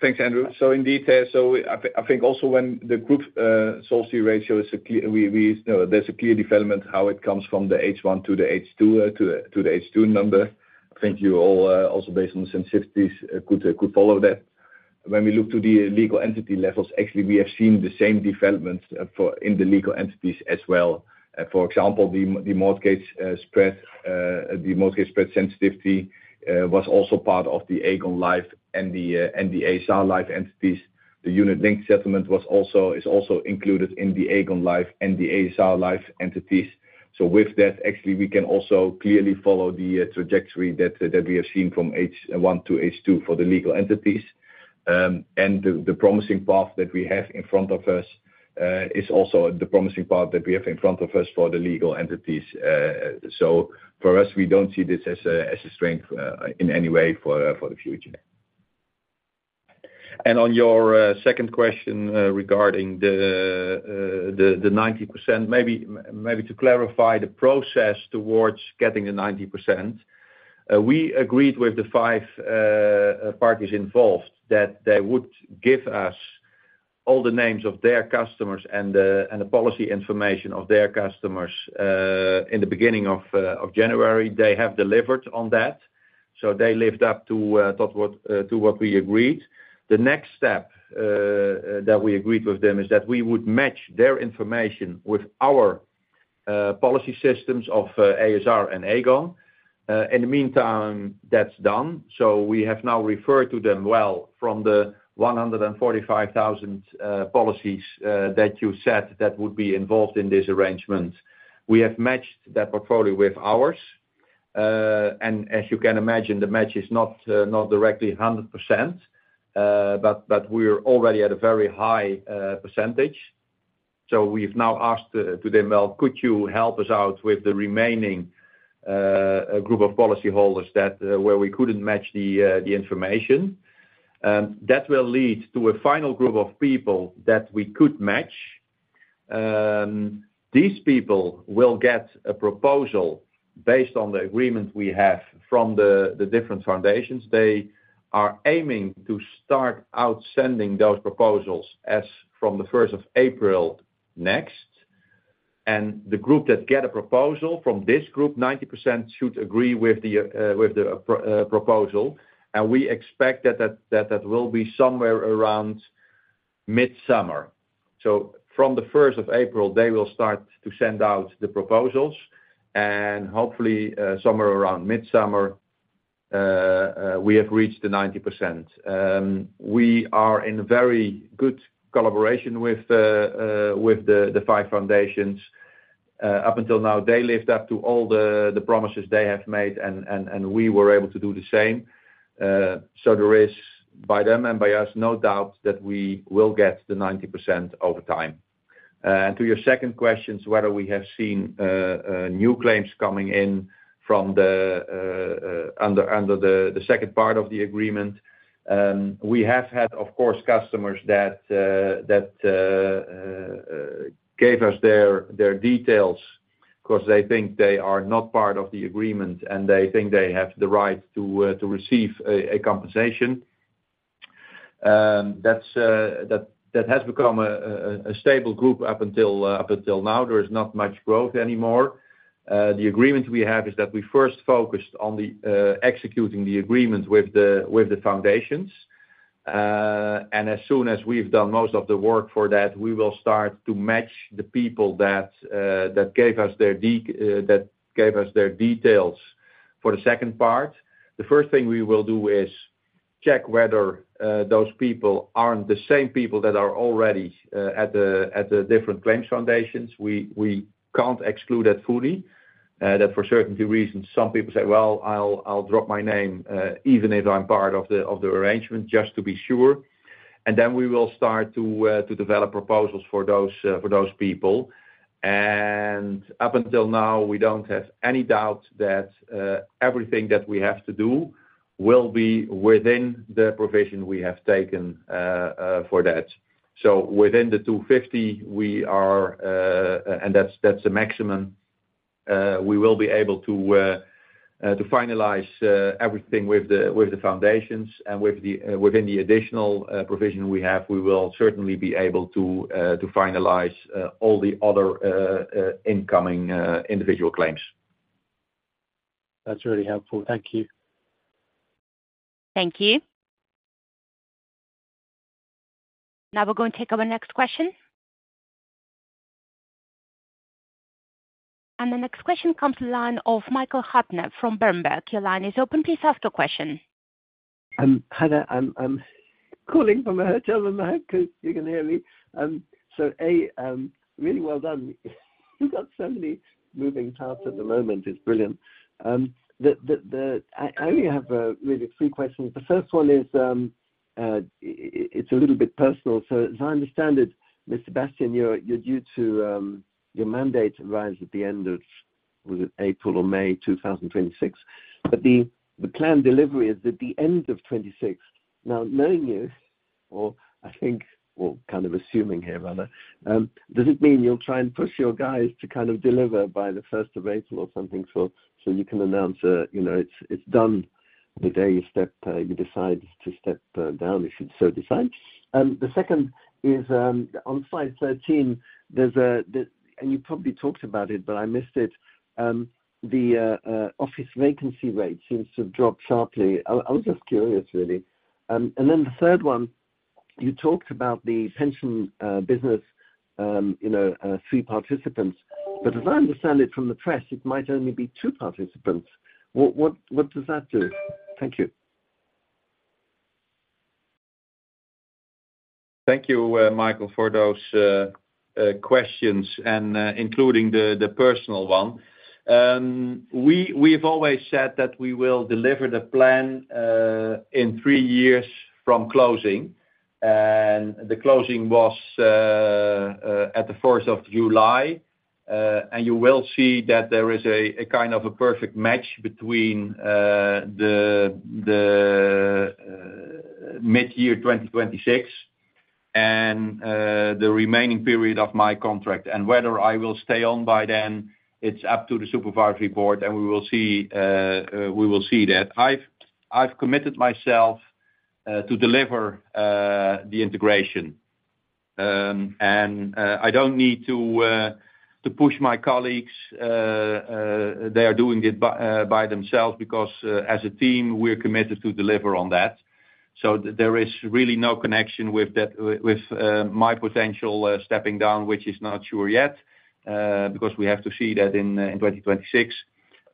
Thanks, Andrew. So in detail, I think also when the group solvency ratio is clear, there's a clear development how it comes from the H1 to the H2 number. I think you all, also based on the sensitivities, could follow that. When we look to the legal entity levels, actually, we have seen the same development in the legal entities as well. For example, the mortgage spread sensitivity was also part of the Aegon Life and the ASR Life entities. The unit-linked settlement was also included in the Aegon Life and the ASR Life entities. So with that, actually, we can also clearly follow the trajectory that we have seen from H1 to H2 for the legal entities. The promising path that we have in front of us is also the promising path that we have in front of us for the legal entities. For us, we don't see this as a strength in any way for the future. On your second question regarding the 90%, maybe to clarify the process towards getting the 90%, we agreed with the five parties involved that they would give us all the names of their customers and the policy information of their customers in the beginning of January. They have delivered on that. They lived up to what we agreed. The next step that we agreed with them is that we would match their information with our policy systems of ASR and Aegon. In the meantime, that's done. So we have now referred to them well from the 145,000 policies that you said that would be involved in this arrangement. We have matched that portfolio with ours. And as you can imagine, the match is not directly 100%, but we're already at a very high percentage. So we've now asked them well, could you help us out with the remaining group of policyholders where we couldn't match the information? And that will lead to a final group of people that we could match. These people will get a proposal based on the agreement we have from the different foundations. They are aiming to start outsending those proposals as from the 1st of April next. And the group that get a proposal from this group, 90%, should agree with the proposal. And we expect that that will be somewhere around midsummer. From the 1st of April, they will start to send out the proposals. Hopefully, somewhere around midsummer, we have reached the 90%. We are in very good collaboration with the five foundations. Up until now, they lived up to all the promises they have made, and we were able to do the same. There is, by them and by us, no doubt that we will get the 90% over time. To your second questions, whether we have seen new claims coming in from under the second part of the agreement, we have had, of course, customers that gave us their details because they think they are not part of the agreement and they think they have the right to receive a compensation. That has become a stable group up until now. There is not much growth anymore. The agreement we have is that we first focused on executing the agreement with the foundations. As soon as we've done most of the work for that, we will start to match the people that gave us their details for the second part. The first thing we will do is check whether those people aren't the same people that are already at the different claims foundations. We can't exclude that fully. That for certain reasons, some people say, "Well, I'll drop my name even if I'm part of the arrangement just to be sure." And then we will start to develop proposals for those people. And up until now, we don't have any doubt that everything that we have to do will be within the provision we have taken for that. Within the 250, we are and that's the maximum. We will be able to finalize everything with the foundations. Within the additional provision we have, we will certainly be able to finalize all the other incoming individual claims. That's really helpful. Thank you. Thank you. Now we're going to take our next question. The next question comes from Michael Huttner from Bernstein. Your line is open. Please ask your question. Hello. I'm calling from a hotel in the hood because you can hear me. So, a.s.r., really well done. You've got so many moving parts at the moment. It's brilliant. I only have really three questions. The first one is it's a little bit personal. So as I understand it, Mr. Baeten, you're due to your mandate arrives at the end of was it April or May 2026? But the planned delivery is at the end of 2026. Now, knowing you or I think or kind of assuming here, rather, does it mean you'll try and push your guys to kind of deliver by the 1st of April or something so you can announce it's done the day you decide to step down if you so decide? The second is on 5/13, there's a and you probably talked about it, but I missed it. The office vacancy rate seems to have dropped sharply. I was just curious, really. Then the third one, you talked about the pension business, three participants. But as I understand it from the press, it might only be two participants. What does that do? Thank you. Thank you, Michael, for those questions and including the personal one. We have always said that we will deliver the plan in three years from closing. The closing was at the 4th of July. You will see that there is a kind of a perfect match between the mid-year 2026 and the remaining period of my contract. Whether I will stay on by then, it's up to the supervisory board, and we will see that. I've committed myself to deliver the integration. I don't need to push my colleagues. They are doing it by themselves because as a team, we're committed to deliver on that. So there is really no connection with my potential stepping down, which is not sure yet because we have to see that in 2026.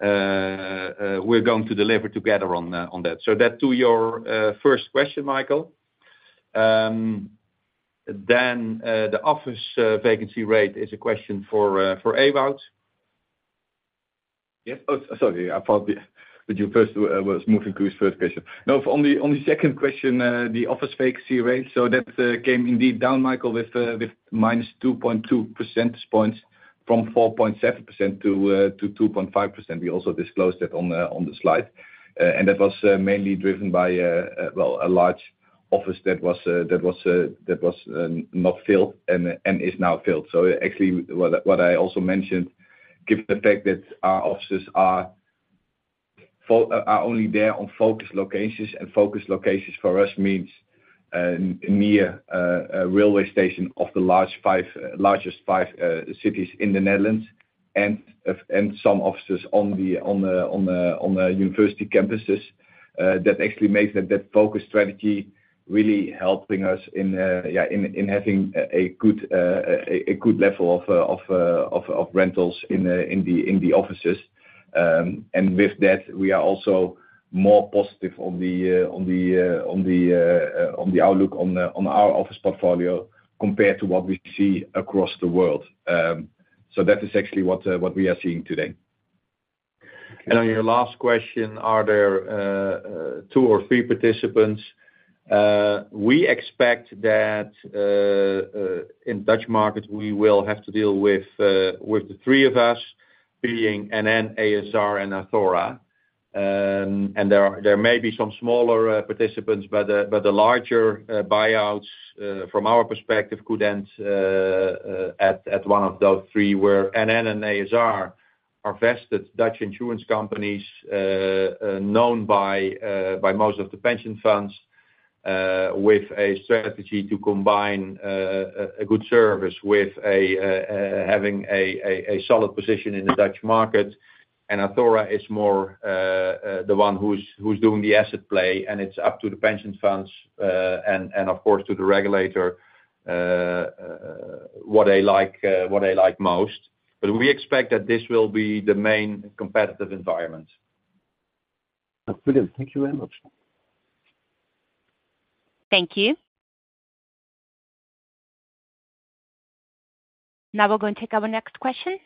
We're going to deliver together on that. So that to your first question, Michael. The office vacancy rate is a question for Ewout. Yes. Sorry. I thought that you first was moving to his first question. No, on the second question, the office vacancy rate. So that came indeed down, Michael, with -2.2 percentage points from 4.7% to 2.5%. We also disclosed that on the slide. And that was mainly driven by, well, a large office that was not filled and is now filled. So actually, what I also mentioned, given the fact that our offices are only there on focus locations, and focus locations for us means near railway station of the largest five cities in the Netherlands and some offices on the university campuses. That actually makes that focus strategy really helping us in having a good level of rentals in the offices. And with that, we are also more positive on the outlook on our office portfolio compared to what we see across the world. That is actually what we are seeing today. And on your last question, are there two or three participants? We expect that in Dutch market, we will have to deal with the three of us being NN, ASR, and Athora. There may be some smaller participants, but the larger buyouts from our perspective could end at one of those three where NN and ASR are vested Dutch insurance companies known by most of the pension funds with a strategy to combine a good service with having a solid position in the Dutch market. And Athora is more the one who's doing the asset play, and it's up to the pension funds and, of course, to the regulator what they like most. We expect that this will be the main competitive environment. That's brilliant. Thank you very much. Thank you. Now we're going to take our next question.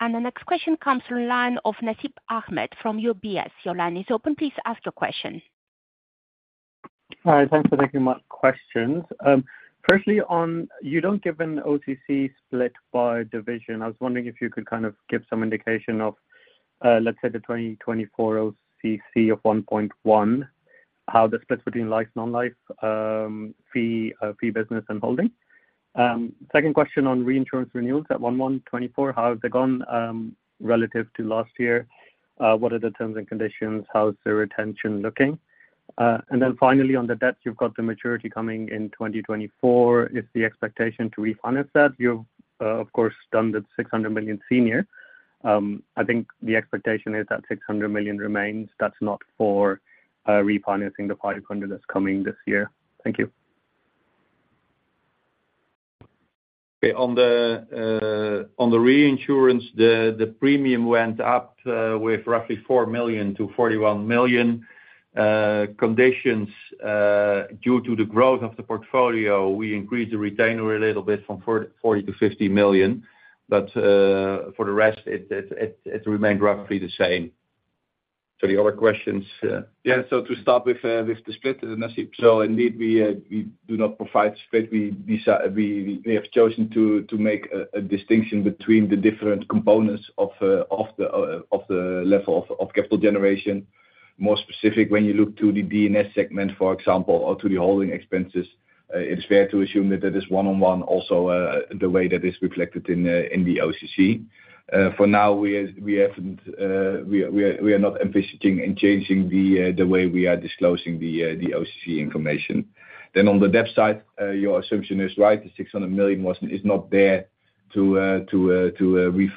The next question comes from Nasib Ahmed from UBS. Your line is open. Please ask your question. All right. Thanks for taking my questions. Firstly, you don't give an OCC split by division. I was wondering if you could kind of give some indication of, let's say, the 2024 OCC of 1.1, how the splits between life, non-life, fee business, and holding? Second question on reinsurance renewals at 1/1/2024. How have they gone relative to last year? What are the terms and conditions? How's the retention looking? And then finally, on the debt, you've got the maturity coming in 2024. Is the expectation to refinance that? You've, of course, done the 600 million senior. I think the expectation is that 600 million remains. That's not for refinancing the 500 million that's coming this year. Thank you. Okay. On the reinsurance, the premium went up with roughly 4 million to 41 million. Conditions, due to the growth of the portfolio, we increased the retainer a little bit from 40 million to 50 million. But for the rest, it remained roughly the same. So the other questions. Yeah. So to start with the split, Nasib, so indeed, we do not provide split. We have chosen to make a distinction between the different components of the level of capital generation. More specific, when you look to the DNS segment, for example, or to the holding expenses, it's fair to assume that that is one-on-one also the way that is reflected in the OCC. For now, we haven't we are not envisaging and changing the way we are disclosing the OCC information. Then on the debt side, your assumption is right. The 600 million is not there to potentially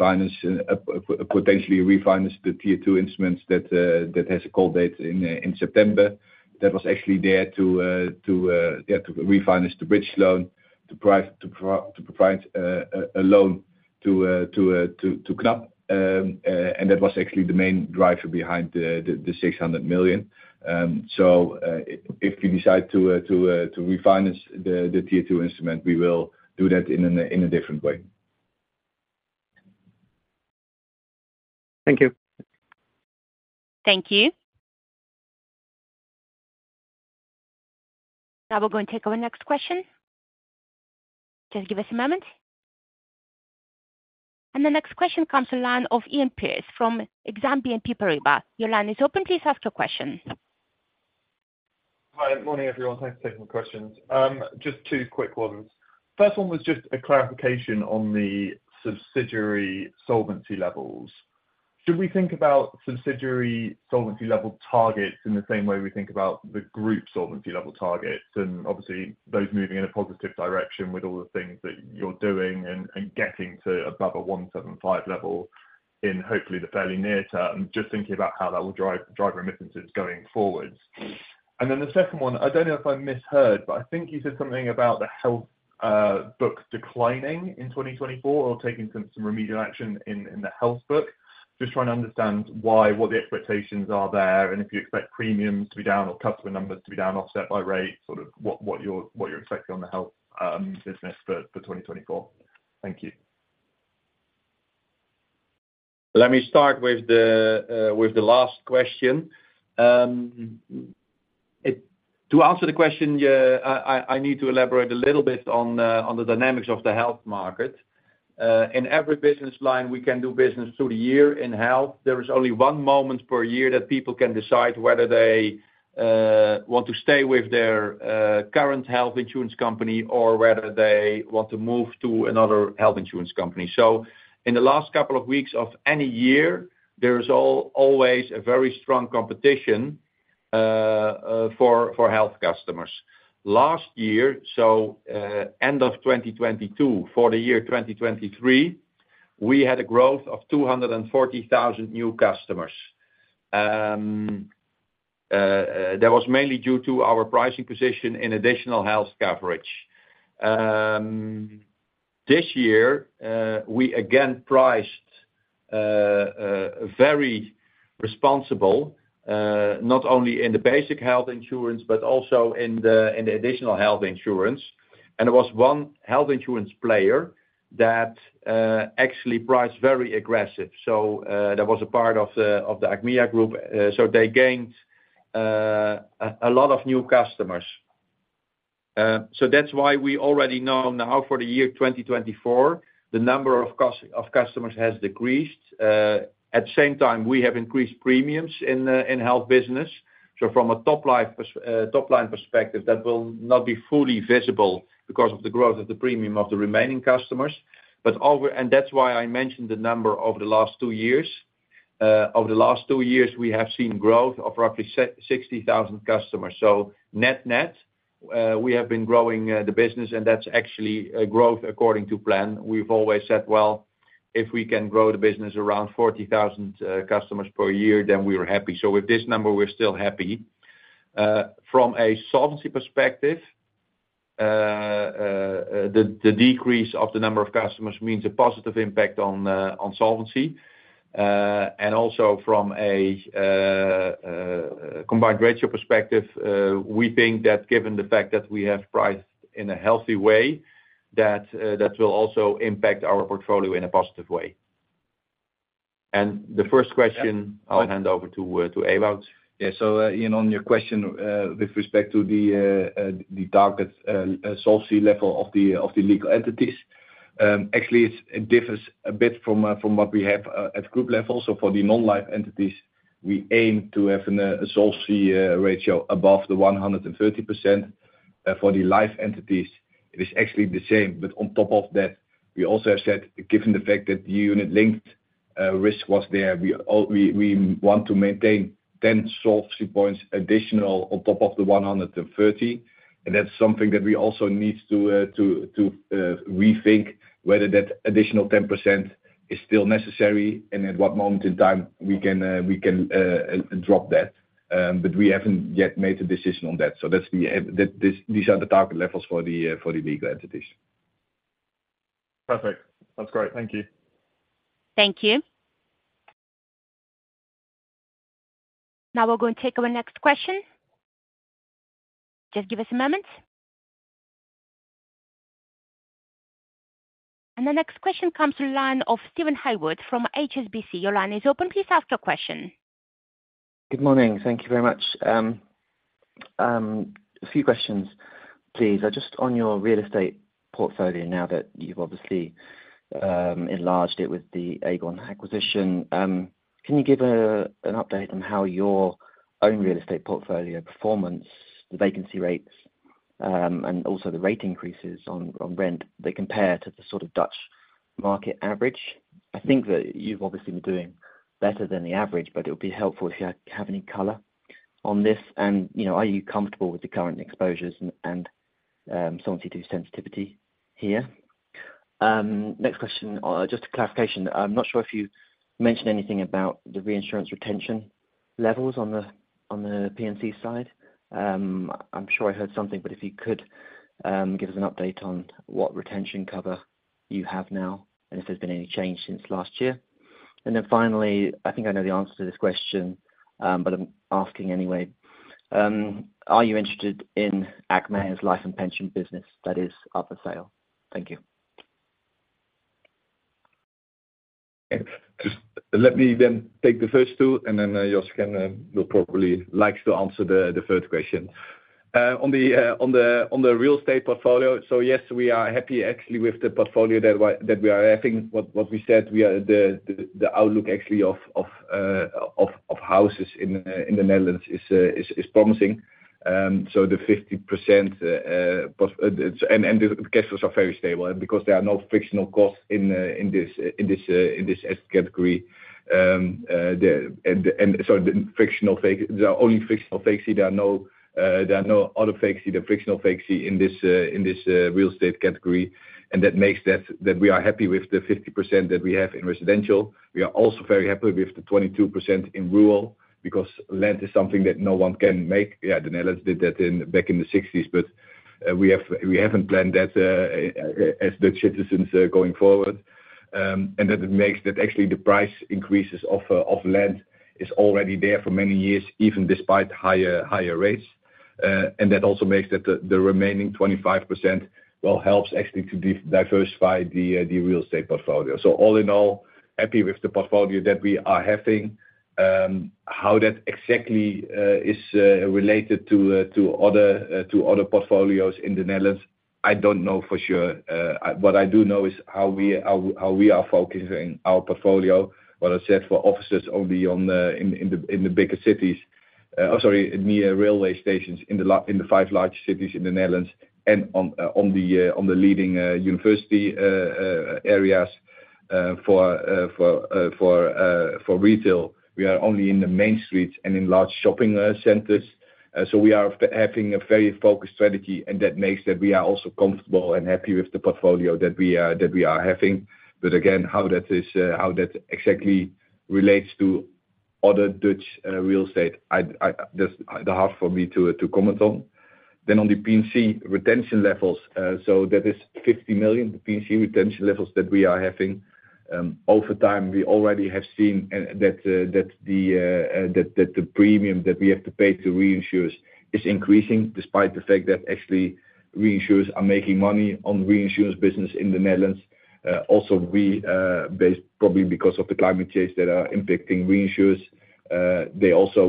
refinance the tier two instruments that has a call date in September. That was actually there to, yeah, to refinance the bridge loan, to provide a loan to Knab. And that was actually the main driver behind the 600 million. If you decide to refinance the tier two instrument, we will do that in a different way. Thank you. Thank you. Now we're going to take our next question. Just give us a moment. The next question comes from Iain Pearce of Exane BNP Paribas. Your line is open. Please ask your question. Hi. Good morning, everyone. Thanks for taking my questions. Just two quick ones. First one was just a clarification on the subsidiary solvency levels. Should we think about subsidiary solvency level targets in the same way we think about the group solvency level targets? Obviously, those moving in a positive direction with all the things that you're doing and getting to above a 175 level in hopefully the fairly near term, just thinking about how that will drive remittances going forward. Then the second one, I don't know if I misheard, but I think you said something about the health book declining in 2024 or taking some remedial action in the health book. Just trying to understand what the expectations are there and if you expect premiums to be down or customer numbers to be down offset by rate, sort of what you're expecting on the health business for 2024? Thank you. Let me start with the last question. To answer the question, I need to elaborate a little bit on the dynamics of the health market. In every business line, we can do business through the year in health. There is only one moment per year that people can decide whether they want to stay with their current health insurance company or whether they want to move to another health insurance company. So in the last couple of weeks of any year, there is always a very strong competition for health customers. Last year, so end of 2022, for the year 2023, we had a growth of 240,000 new customers. That was mainly due to our pricing position in additional health coverage. This year, we again priced very responsible, not only in the basic health insurance, but also in the additional health insurance. There was one health insurance player that actually priced very aggressive. So that was a part of the Achmea group. So they gained a lot of new customers. So that's why we already know now for the year 2024, the number of customers has decreased. At the same time, we have increased premiums in health business. So from a topline perspective, that will not be fully visible because of the growth of the premium of the remaining customers. And that's why I mentioned the number over the last two years. Over the last two years, we have seen growth of roughly 60,000 customers. So net-net, we have been growing the business, and that's actually growth according to plan. We've always said, "Well, if we can grow the business around 40,000 customers per year, then we're happy." So with this number, we're still happy. From a solvency perspective, the decrease of the number of customers means a positive impact on solvency. Also from a Combined Ratio perspective, we think that given the fact that we have priced in a healthy way, that will also impact our portfolio in a positive way. The first question, I'll hand over to Ewout. Yeah. So on your question with respect to the target solvency level of the legal entities, actually, it differs a bit from what we have at group level. So for the non-life entities, we aim to have a solvency ratio above 130%. For the life entities, it is actually the same. But on top of that, we also have said, given the fact that the unit-linked risk was there, we want to maintain 10 solvency points additional on top of the 130. And that's something that we also need to rethink, whether that additional 10% is still necessary and at what moment in time we can drop that. But we haven't yet made a decision on that. So these are the target levels for the legal entities. Perfect. That's great. Thank you. Thank you. Now we're going to take our next question. Just give us a moment. The next question comes online of Steven Haywood from HSBC. Your line is open. Please ask your question. Good morning. Thank you very much. A few questions, please. Just on your real estate portfolio now that you've obviously enlarged it with the Aegon acquisition, can you give an update on how your own real estate portfolio performance, the vacancy rates, and also the rate increases on rent, they compare to the sort of Dutch market average? I think that you've obviously been doing better than the average, but it would be helpful if you have any color on this. And are you comfortable with the current exposures and solvency sensitivity here? Next question, just a clarification. I'm not sure if you mentioned anything about the reinsurance retention levels on the P&C side. I'm sure I heard something, but if you could give us an update on what retention cover you have now and if there's been any change since last year. Then finally, I think I know the answer to this question, but I'm asking anyway. Are you interested in Achmea's life and pension business that is up for sale? Thank you. Okay. Just let me then take the first two, and then Joshua will probably like to answer the third question. On the real estate portfolio, so yes, we are happy actually with the portfolio that we are having. What we said, the outlook actually of houses in the Netherlands is promising. So the 50% and the cash flows are very stable. Because there are no frictional costs in this asset category and sorry, there are only frictional taxes. There are no other taxes, the frictional taxes in this real estate category. And that makes that we are happy with the 50% that we have in residential. We are also very happy with the 22% in rural because land is something that no one can make. Yeah, the Netherlands did that back in the 1960s, but we haven't planned that as Dutch citizens going forward. And that actually the price increases of land is already there for many years, even despite higher rates. And that also makes that the remaining 25%, well, helps actually to diversify the real estate portfolio. So all in all, happy with the portfolio that we are having. How that exactly is related to other portfolios in the Netherlands, I don't know for sure. What I do know is how we are focusing our portfolio, what I said for offices only in the bigger cities. Oh, sorry, near railway stations in the five large cities in the Netherlands and on the leading university areas for retail. We are only in the main streets and in large shopping centers. So we are having a very focused strategy, and that makes that we are also comfortable and happy with the portfolio that we are having. But again, how that exactly relates to other Dutch real estate, that's the hard for me to comment on. Then on the P&C retention levels, so that is 50 million, the P&C retention levels that we are having. Over time, we already have seen that the premium that we have to pay to reinsurers is increasing despite the fact that actually reinsurers are making money on reinsurance business in the Netherlands. Also, probably because of the climate change that are impacting reinsurers,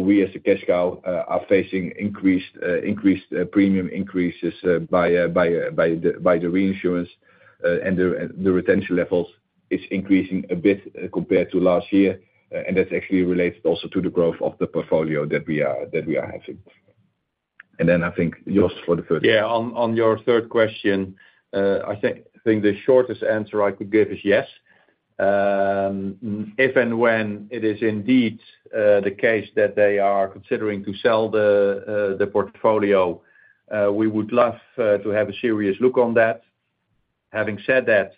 we as a cash cow are facing increased premium increases by the reinsurance, and the retention levels are increasing a bit compared to last year. And that's actually related also to the growth of the portfolio that we are having. And then I think, Josh, for the third. Yeah. On your third question, I think the shortest answer I could give is yes. If and when it is indeed the case that they are considering to sell the portfolio, we would love to have a serious look on that. Having said that,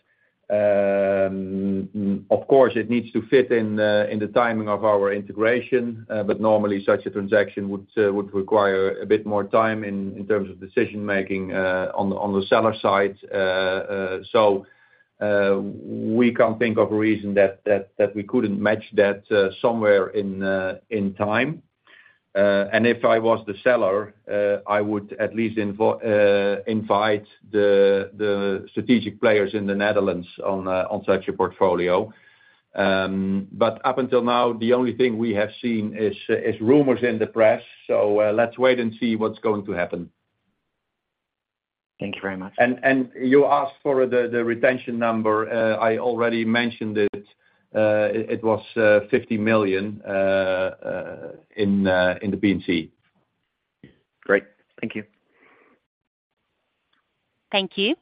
of course, it needs to fit in the timing of our integration. But normally, such a transaction would require a bit more time in terms of decision-making on the seller side. So we can't think of a reason that we couldn't match that somewhere in time. And if I was the seller, I would at least invite the strategic players in the Netherlands on such a portfolio. But up until now, the only thing we have seen is rumors in the press. So let's wait and see what's going to happen. Thank you very much. You asked for the retention number. I already mentioned it. It was 50 million in the P&C. Great. Thank you. Thank you.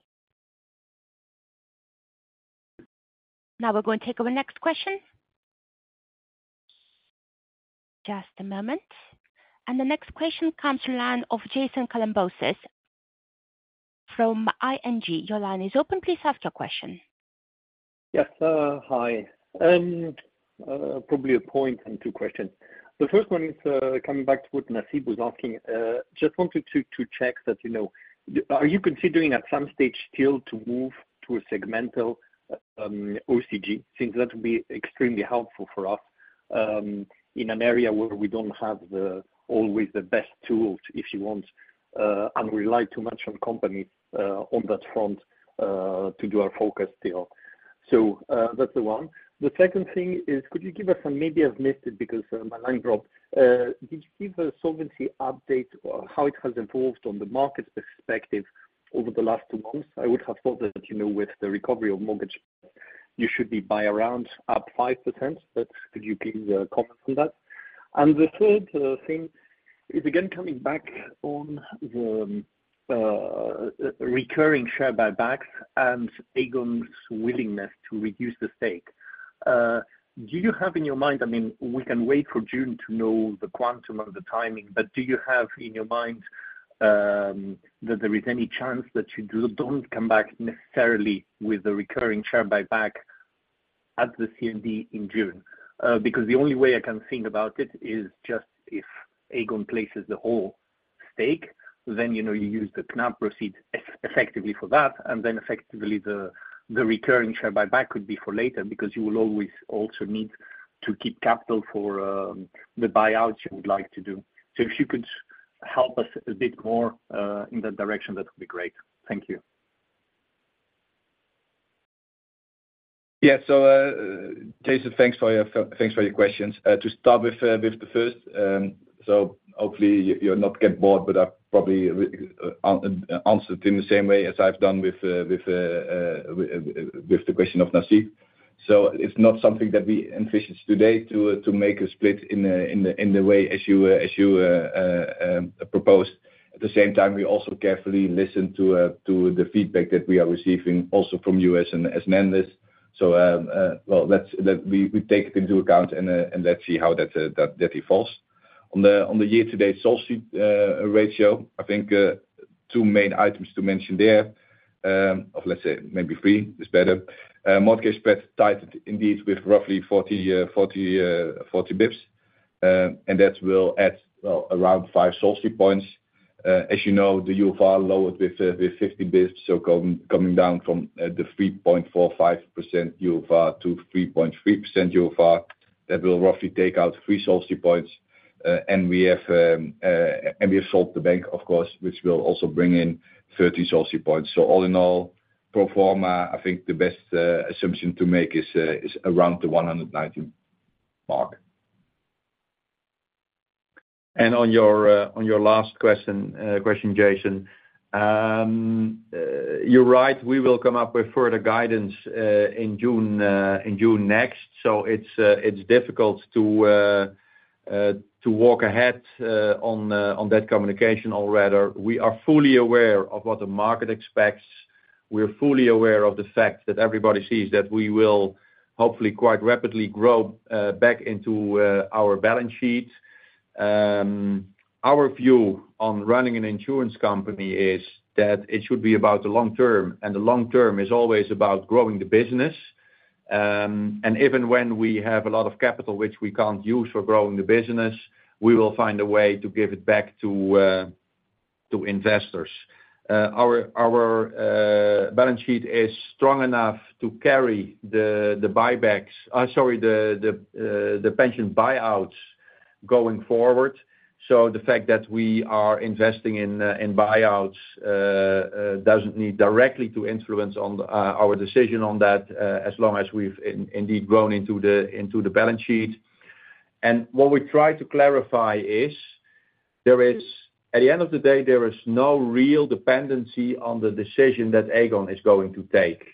Now we're going to take our next question. Just a moment. The next question comes online of Jason Kalamboussis from ING. Your line is open. Please ask your question. Yes. Hi. Probably a point and two questions. The first one is coming back to what Nasib was asking. Just wanted to check that, are you considering at some stage still to move to a segmental OCG since that would be extremely helpful for us in an area where we don't have always the best tools, if you want, and rely too much on companies on that front to do our focus still? So that's the one. The second thing is, could you give us and maybe I've missed it because my line dropped. Did you give a solvency update or how it has evolved on the market perspective over the last two months? I would have thought that with the recovery of mortgage, you should be buy around up 5%. But could you please comment on that? And the third thing is, again, coming back on the recurring share buybacks and Aegon's willingness to reduce the stake. Do you have in your mind—I mean, we can wait for June to know the quantum of the timing, but do you have in your mind that there is any chance that you don't come back necessarily with a recurring share buyback at the CMD in June? Because the only way I can think about it is just if Aegon places the whole stake, then you use the Knab proceeds effectively for that, and then effectively, the recurring share buyback could be for later because you will always also need to keep capital for the buyouts you would like to do. So if you could help us a bit more in that direction, that would be great. Thank you. Yeah. So Jason, thanks for your questions. To start with the first, so hopefully, you'll not get bored, but I've probably answered it in the same way as I've done with the question of Nasib. So it's not something that we envision today to make a split in the way as you proposed. At the same time, we also carefully listen to the feedback that we are receiving also from you as an analyst. So well, we take it into account, and let's see how that evolves. On the year-to-date solvency ratio, I think 2 main items to mention there of, let's say, maybe 3 is better. Mortgage spread tightened indeed with roughly 40 basis points, and that will add, well, around 5 solvency points. As you know, the UFR lowered with 50 basis points, so coming down from the 3.45% UFR to 3.3% UFR, that will roughly take out three solvency points. We have sold the bank, of course, which will also bring in 30 solvency points. All in all, pro forma, I think the best assumption to make is around the 190 mark. On your last question, Jason, you're right. We will come up with further guidance in June next. So it's difficult to walk ahead on that communication already. We are fully aware of what the market expects. We're fully aware of the fact that everybody sees that we will hopefully quite rapidly grow back into our balance sheet. Our view on running an insurance company is that it should be about the long term, and the long term is always about growing the business. And even when we have a lot of capital, which we can't use for growing the business, we will find a way to give it back to investors. Our balance sheet is strong enough to carry the buybacks sorry, the pension buyouts going forward. So the fact that we are investing in buyouts doesn't need directly to influence our decision on that as long as we've indeed grown into the balance sheet. What we try to clarify is, at the end of the day, there is no real dependency on the decision that Aegon is going to take.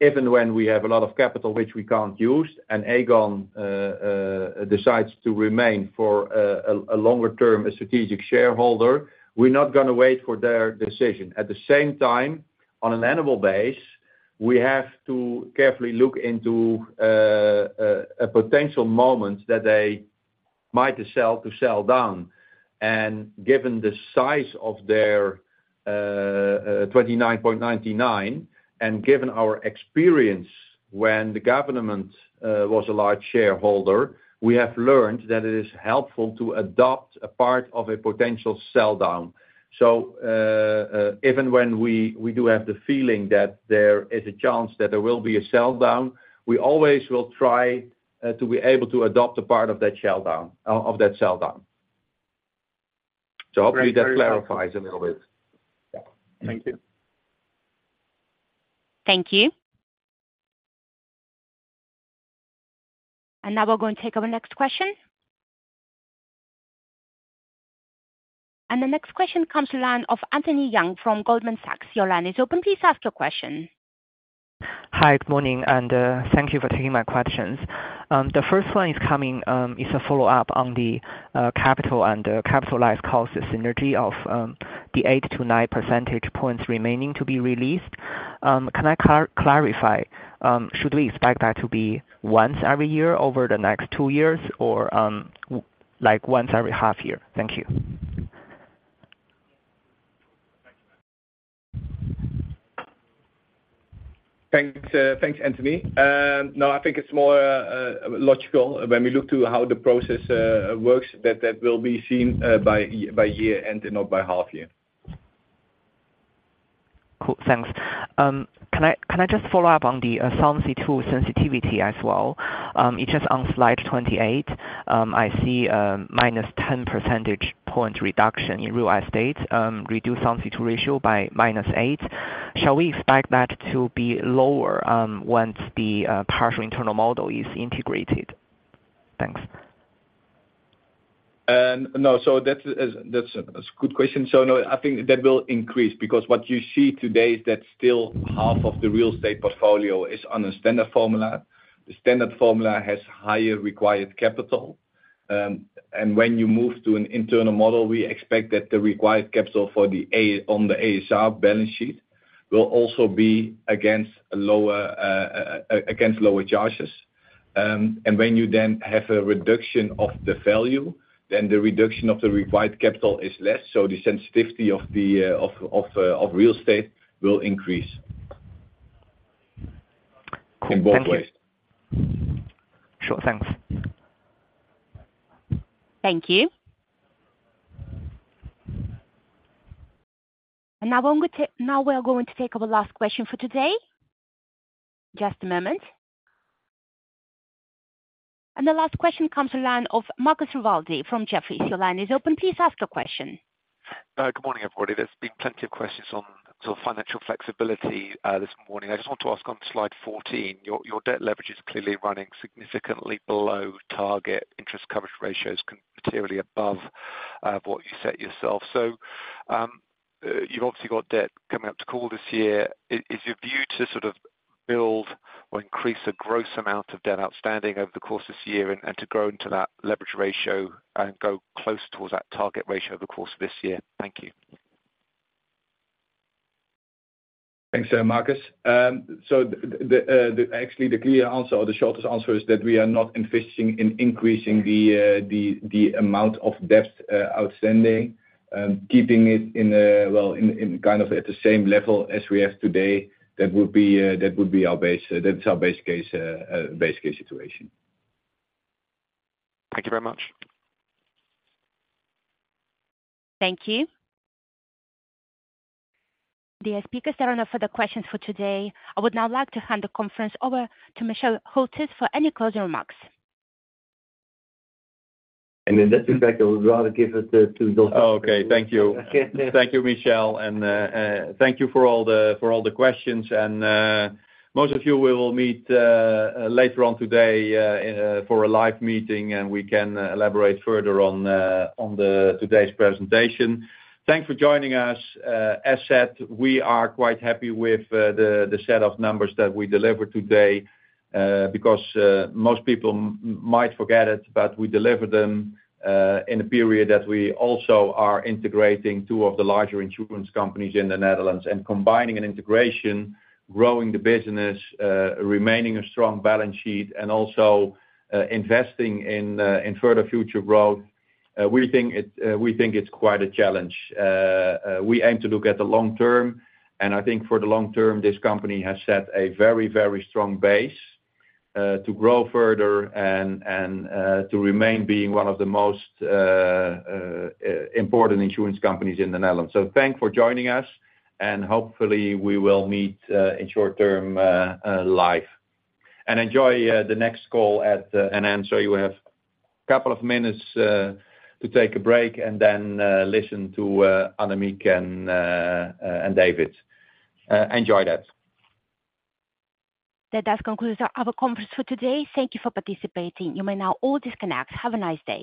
Even when we have a lot of capital, which we can't use, and Aegon decides to remain for a longer term a strategic shareholder, we're not going to wait for their decision. At the same time, on an annual basis, we have to carefully look into a potential moment that they might sell to sell down. Given the size of their 29.99% and given our experience when the government was a large shareholder, we have learned that it is helpful to adopt a part of a potential sell down. So even when we do have the feeling that there is a chance that there will be a sell down, we always will try to be able to adopt a part of that sell down. So hopefully, that clarifies a little bit. Yeah. Thank you. Thank you. Now we're going to take our next question. The next question comes online of Anthony Young from Goldman Sachs. Your line is open. Please ask your question. Hi. Good morning. Thank you for taking my questions. The first one is a follow-up on the capital and capitalized costs synergy of the eight to nine percentage points remaining to be released. Can I clarify? Should we expect that to be once every year over the next two years or once every half year? Thank you. Thanks, Anthony. No, I think it's more logical when we look to how the process works that that will be seen by year-end and not by half year. Cool. Thanks. Can I just follow up on the solvency II sensitivity as well? It's just on slide 28. I see a -10 percentage point reduction in real estate, reduces the solvency ratio by -8. Shall we expect that to be lower once the partial internal model is integrated? Thanks. No. So that's a good question. So no, I think that will increase because what you see today is that still half of the real estate portfolio is on a standard formula. The standard formula has higher required capital. And when you move to an internal model, we expect that the required capital on the ASR balance sheet will also be against lower charges. And when you then have a reduction of the value, then the reduction of the required capital is less. So the sensitivity of real estate will increase in both ways. Cool. Thank you. Sure. Thanks. Thank you. Now we're going to take our last question for today. Just a moment. The last question comes from Marcus Rivaldi of Jefferies. Your line is open. Please ask your question. Good morning, everybody. There's been plenty of questions on sort of financial flexibility this morning. I just want to ask on slide 14, your debt leverage is clearly running significantly below target interest coverage ratios, materially above what you set yourself. So you've obviously got debt coming up to call this year. Is your view to sort of build or increase a gross amount of debt outstanding over the course of this year and to grow into that leverage ratio and go close towards that target ratio over the course of this year? Thank you. Thanks, Marcus. So actually, the clear answer or the shortest answer is that we are not envisioning increasing the amount of debt outstanding, keeping it in, well, kind of at the same level as we have today. That would be our base that's our base case situation. Thank you very much. Thank you. That is enough for the questions for today. I would now like to hand the conference over to Michel Hülters for any closing remarks. In that respect, I would rather give it to Jos. Okay. Thank you. Thank you, Michel. Thank you for all the questions. Most of you will meet later on today for a live meeting, and we can elaborate further on today's presentation. Thanks for joining us. As said, we are quite happy with the set of numbers that we delivered today because most people might forget it, but we delivered them in a period that we also are integrating two of the larger insurance companies in the Netherlands and combining an integration, growing the business, remaining a strong balance sheet, and also investing in further future growth. We think it's quite a challenge. We aim to look at the long term. I think for the long term, this company has set a very, very strong base to grow further and to remain being one of the most important insurance companies in the Netherlands. Thanks for joining us. Hopefully, we will meet in short term live and enjoy the next call at. NN, so you have a couple of minutes to take a break and then listen to Annemiek and David. Enjoy that. That does conclude our conference for today. Thank you for participating. You may now all disconnect. Have a nice day.